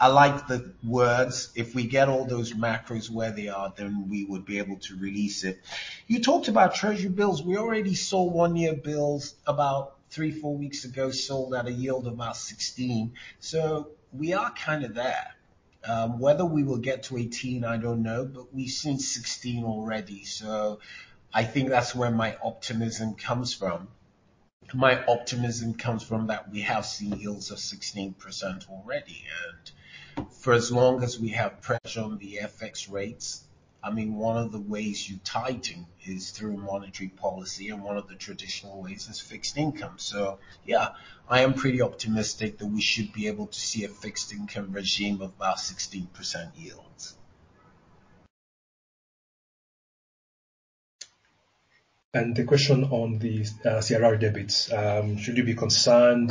I like the words. If we get all those macros where they are, then we would be able to release it. You talked about treasury bills. We already sold 1-year bills about 3-4 weeks ago, sold at a yield of about 16%. So we are kinda there. Whether we will get to 18, I don't know, but we've seen 16 already, so I think that's where my optimism comes from. My optimism comes from that we have seen yields of 16% already, and for as long as we have pressure on the FX rates, I mean, one of the ways you tighten is through monetary policy, and one of the traditional ways is fixed income. So yeah, I am pretty optimistic that we should be able to see a fixed income regime of about 16% yields. The question on the CRR debits, should you be concerned,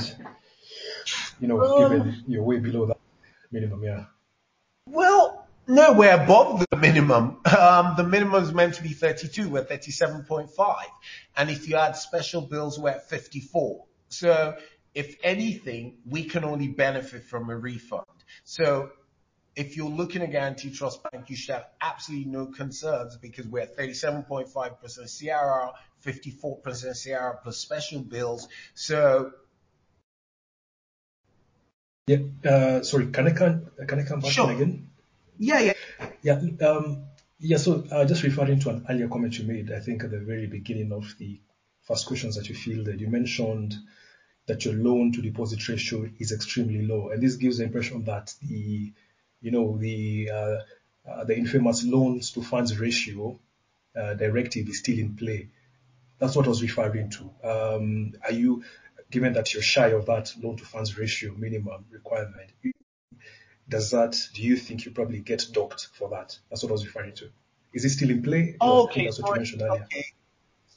you know, given. Uh- You're way below that minimum? Yeah. Well, no, we're above the minimum. The minimum is meant to be 32, we're at 37.5, and if you add special bills, we're at 54. So if anything, we can only benefit from a refund. So if you're looking at Guaranty Trust Bank, you should have absolutely no concerns because we're at 37.5% CRR, 54% CRR, plus special bills. So- Yeah, sorry, can I come, can I come back again? Sure. Yeah, yeah. Yeah, yeah, so just referring to an earlier comment you made, I think at the very beginning of the first questions that you fielded. You mentioned that your loan-to-deposit ratio is extremely low, and this gives the impression that the, you know, the infamous loans-to-funds ratio directive is still in play. That's what I was referring to. Given that you're shy of that loan-to-funds ratio minimum requirement, does that do you think you probably get docked for that? That's what I was referring to. Is it still in play? Okay. Or that's what you mentioned earlier. Okay.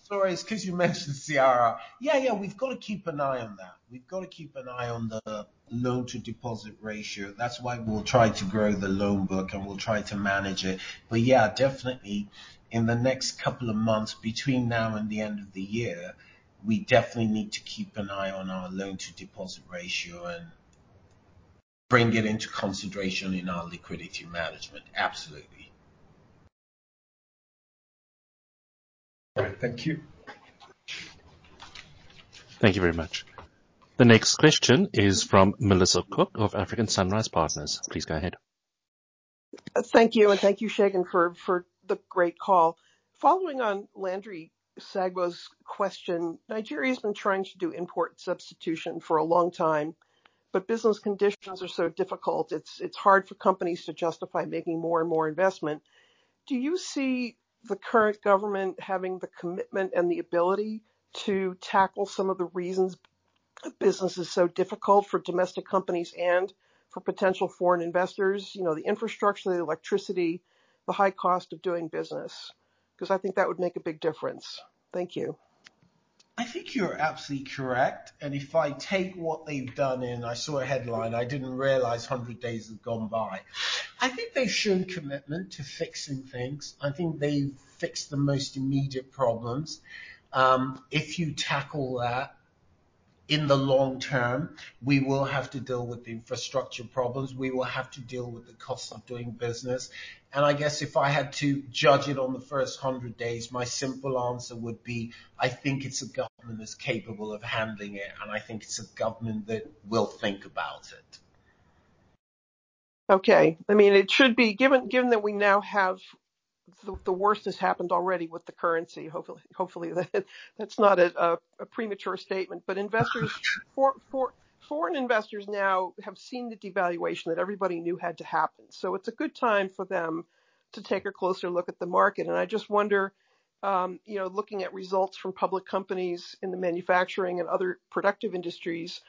Sorry, it's 'cause you mentioned CRR. Yeah, yeah, we've got to keep an eye on that. We've got to keep an eye on the loan-to-deposit ratio. That's why we'll try to grow the loan book, and we'll try to manage it. But yeah, definitely in the next couple of months, between now and the end of the year, we definitely need to keep an eye on our loan-to-deposit ratio and bring it into consideration in our liquidity management. Absolutely. Thank you. Thank you very much. The next question is from Melissa Cook of African Sunrise Partners. Please go ahead. Thank you, and thank you, Segun, for the great call. Following on Landry Sagbo's question, Nigeria has been trying to do import substitution for a long time, but business conditions are so difficult, it's hard for companies to justify making more and more investment. Do you see the current government having the commitment and the ability to tackle some of the reasons business is so difficult for domestic companies and for potential foreign investors? You know, the infrastructure, the electricity, the high cost of doing business. 'Cause I think that would make a big difference. Thank you. I think you're absolutely correct, and if I take what they've done in. I saw a headline, I didn't realize 100 days have gone by. I think they've shown commitment to fixing things. I think they've fixed the most immediate problems. If you tackle that, in the long term, we will have to deal with the infrastructure problems, we will have to deal with the costs of doing business. And I guess if I had to judge it on the first 100 days, my simple answer would be: I think it's a government that's capable of handling it, and I think it's a government that will think about it. Okay. I mean, it should be. Given that we now have the worst has happened already with the currency. Hopefully, that's not a premature statement. But foreign investors now have seen the devaluation that everybody knew had to happen, so it's a good time for them to take a closer look at the market. And I just wonder, you know, looking at results from public companies in the manufacturing and other productive industries,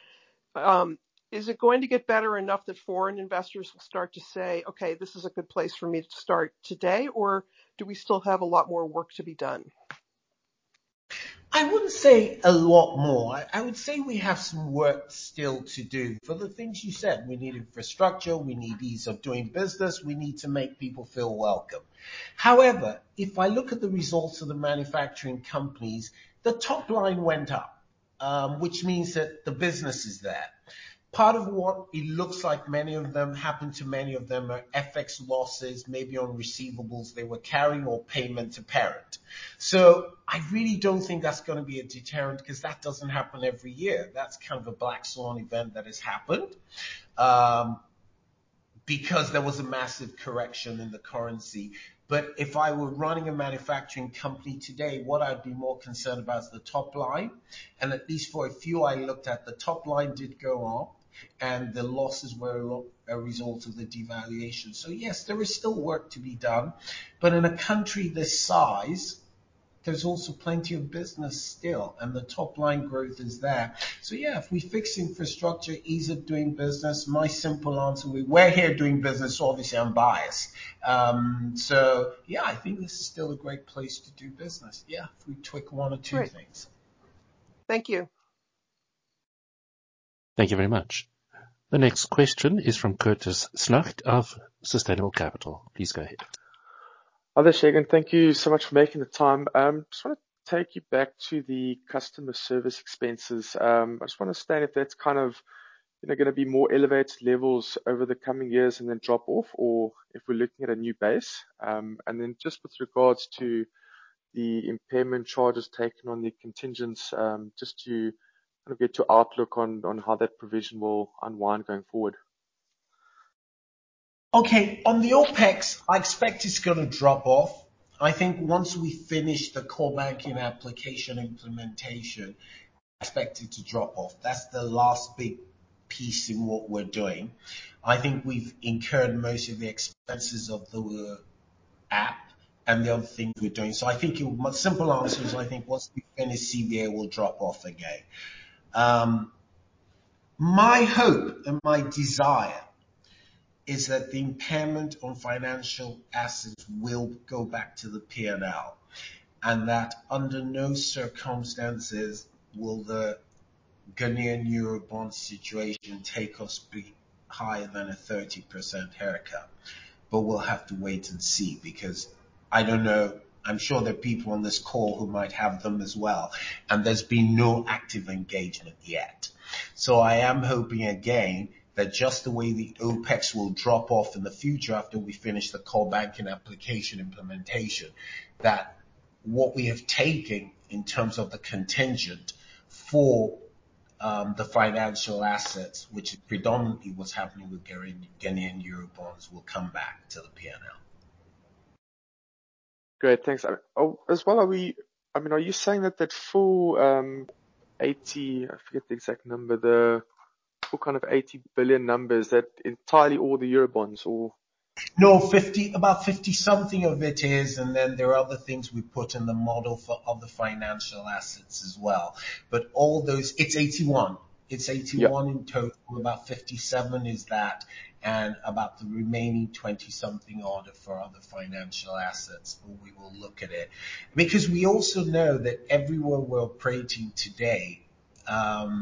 is it going to get better enough that foreign investors will start to say: "Okay, this is a good place for me to start today?" Or do we still have a lot more work to be done? I wouldn't say a lot more. I would say we have some work still to do for the things you said. We need infrastructure, we need ease of doing business, we need to make people feel welcome. However, if I look at the results of the manufacturing companies, the top line went up, which means that the business is there. Part of what it looks like many of them, happened to many of them, are FX losses, maybe on receivables they were carrying or payment to parent. So I really don't think that's going to be a deterrent, 'cause that doesn't happen every year. That's kind of a black swan event that has happened, because there was a massive correction in the currency. But if I were running a manufacturing company today, what I'd be more concerned about is the top line, and at least for a few I looked at, the top line did go up, and the losses were a lot a result of the devaluation. So yes, there is still work to be done, but in a country this size, there's also plenty of business still, and the top line growth is there. So yeah, if we fix infrastructure, ease of doing business, my simple answer, we're here doing business, obviously, I'm biased. So yeah, I think this is still a great place to do business. Yeah, if we tweak one or two things. Great. Thank you. Thank you very much. The next question is from Curtis Schacht of Sustainable Capital. Please go ahead. Hi there, Segun. Thank you so much for making the time. I just want to take you back to the customer service expenses. I just want to understand if that's kind of, you know, going to be more elevated levels over the coming years and then drop off, or if we're looking at a new base. And then just with regards to the impairment charges taken on the contingents, just to kind of get your outlook on how that provision will unwind going forward. Okay. On the OpEx, I expect it's going to drop off. I think once we finish the core banking application implementation, I expect it to drop off. That's the last big piece in what we're doing. I think we've incurred most of the expenses of the app and the other things we're doing. So I think you my simple answer is, I think once we finish, CBA will drop off again. My hope and my desire is that the impairment on financial assets will go back to the P&L, and that under no circumstances will the Ghanaian Eurobond situation take us be higher than a 30% haircut. But we'll have to wait and see, because I don't know. I'm sure there are people on this call who might have them as well, and there's been no active engagement yet. I am hoping again, that just the way the OpEx will drop off in the future after we finish the core banking application implementation, that what we have taken in terms of the contingent for the financial assets, which is predominantly what's happening with Ghanaian Eurobonds, will come back to the P&L. Great. Thanks. Oh, as well, are we I mean, are you saying that that full, 80 billion, I forget the exact number, the full, kind of, 80 billion numbers, is that entirely all the Eurobonds or? No, 50, about 50 something of it is, and then there are other things we put in the model for other financial assets as well. But all those. It's 81. Yeah In total, about 57 is that, and about the remaining 20-something order for other financial assets. But we will look at it. Because we also know that everywhere we're operating today, a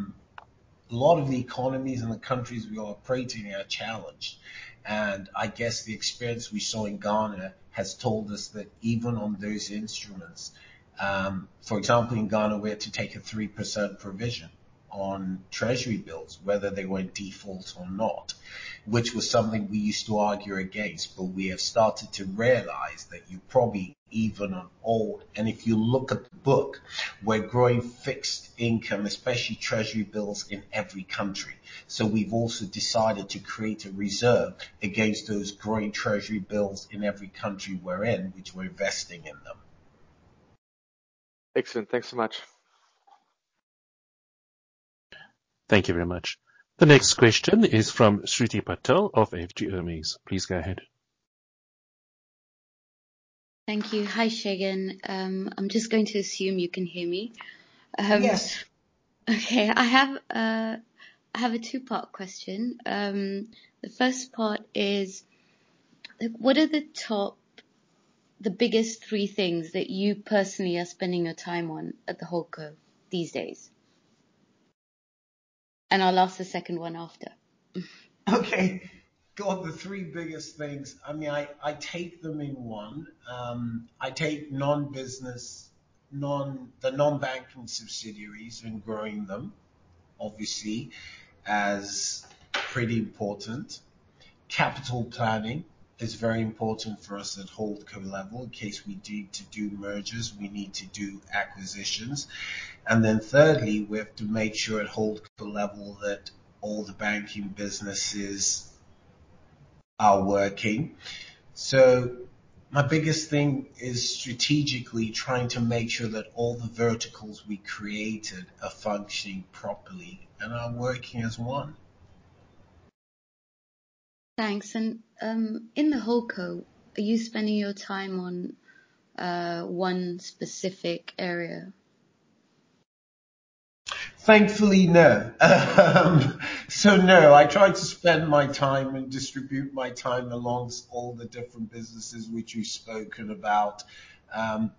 lot of the economies and the countries we are operating are challenged. And I guess the experience we saw in Ghana has told us that even on those instruments, for example, in Ghana, we had to take a 3% provision on treasury bills, whether they were in default or not, which was something we used to argue against, but we have started to realize that you probably even on all... And if you look at the book, we're growing fixed income, especially treasury bills in every country. So we've also decided to create a reserve against those growing treasury bills in every country we're in, which we're investing in them. Excellent. Thanks so much. Thank you very much. The next question is from Shruti Patel of EFG Hermes. Please go ahead. Thank you. Hi, Segun. I'm just going to assume you can hear me. Yes. Okay. I have a two-part question. The first part is, what are the top, the biggest three things that you personally are spending your time on at the Holdco these days? I'll ask the second one after. Okay. Got the three biggest things, I mean, I take them as one. I take the non-banking subsidiaries and growing them, obviously, as pretty important. Capital planning is very important for us at Holdco level, in case we need to do mergers, we need to do acquisitions. And then thirdly, we have to make sure at Holdco level, that all the banking businesses are working. So my biggest thing is strategically trying to make sure that all the verticals we created are functioning properly and are working as one. Thanks. And, in the Holdco, are you spending your time on one specific area? Thankfully, no. So no, I try to spend my time and distribute my time among all the different businesses which we've spoken about,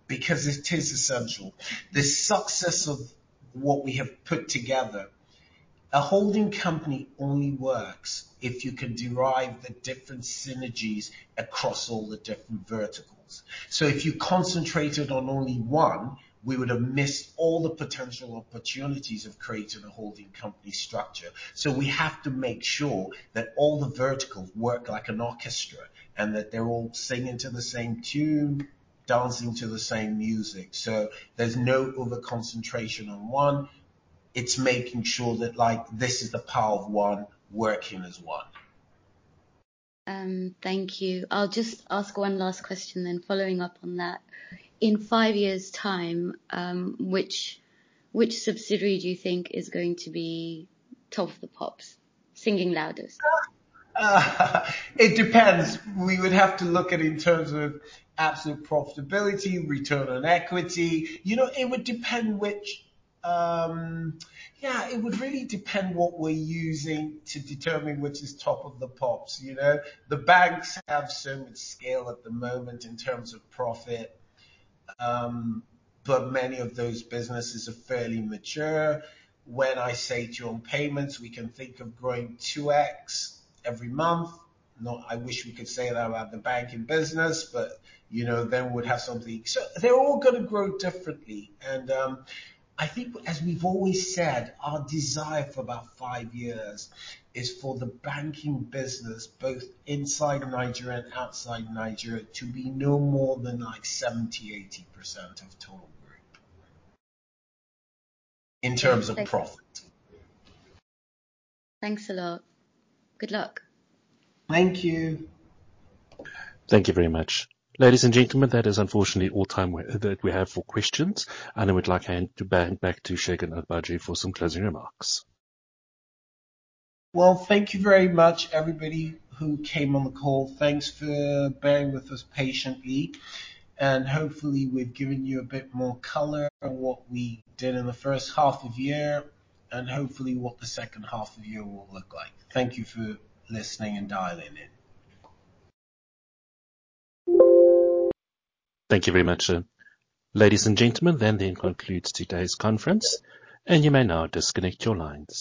because it is essential. The success of what we have put together. A holding company only works if you can derive the different synergies across all the different verticals. So if you concentrated on only one, we would have missed all the potential opportunities of creating a holding company structure. So we have to make sure that all the verticals work like an orchestra, and that they're all singing to the same tune, dancing to the same music. So there's no overconcentration on one. It's making sure that, like, this is the power of one working as one. Thank you. I'll just ask one last question then, following up on that. In five years' time, which subsidiary do you think is going to be top of the pops, singing loudest? It depends. We would have to look at in terms of absolute profitability, return on equity. You know, it would depend which. Yeah, it would really depend what we're using to determine which is top of the pops, you know. The banks have so much scale at the moment in terms of profit, but many of those businesses are fairly mature. When I say to you on payments, we can think of growing 2x every month. I wish we could say that about the banking business, but, you know, then we'd have something. So they're all going to grow differently. I think as we've always said, our desire for about 5 years is for the banking business, both inside Nigeria and outside Nigeria, to be no more than like 70%-80% of total group, in terms of profit. Thanks a lot. Good luck. Thank you. Thank you very much. Ladies and gentlemen, that is unfortunately all the time we have for questions, and I would like to hand back to Segun Agbaje for some closing remarks. Well, thank you very much, everybody who came on the call. Thanks for bearing with us patiently, and hopefully, we've given you a bit more color on what we did in the first half of the year, and hopefully, what the second half of the year will look like. Thank you for listening and dialing in. Thank you very much, sir. Ladies and gentlemen, that then concludes today's conference, and you may now disconnect your lines.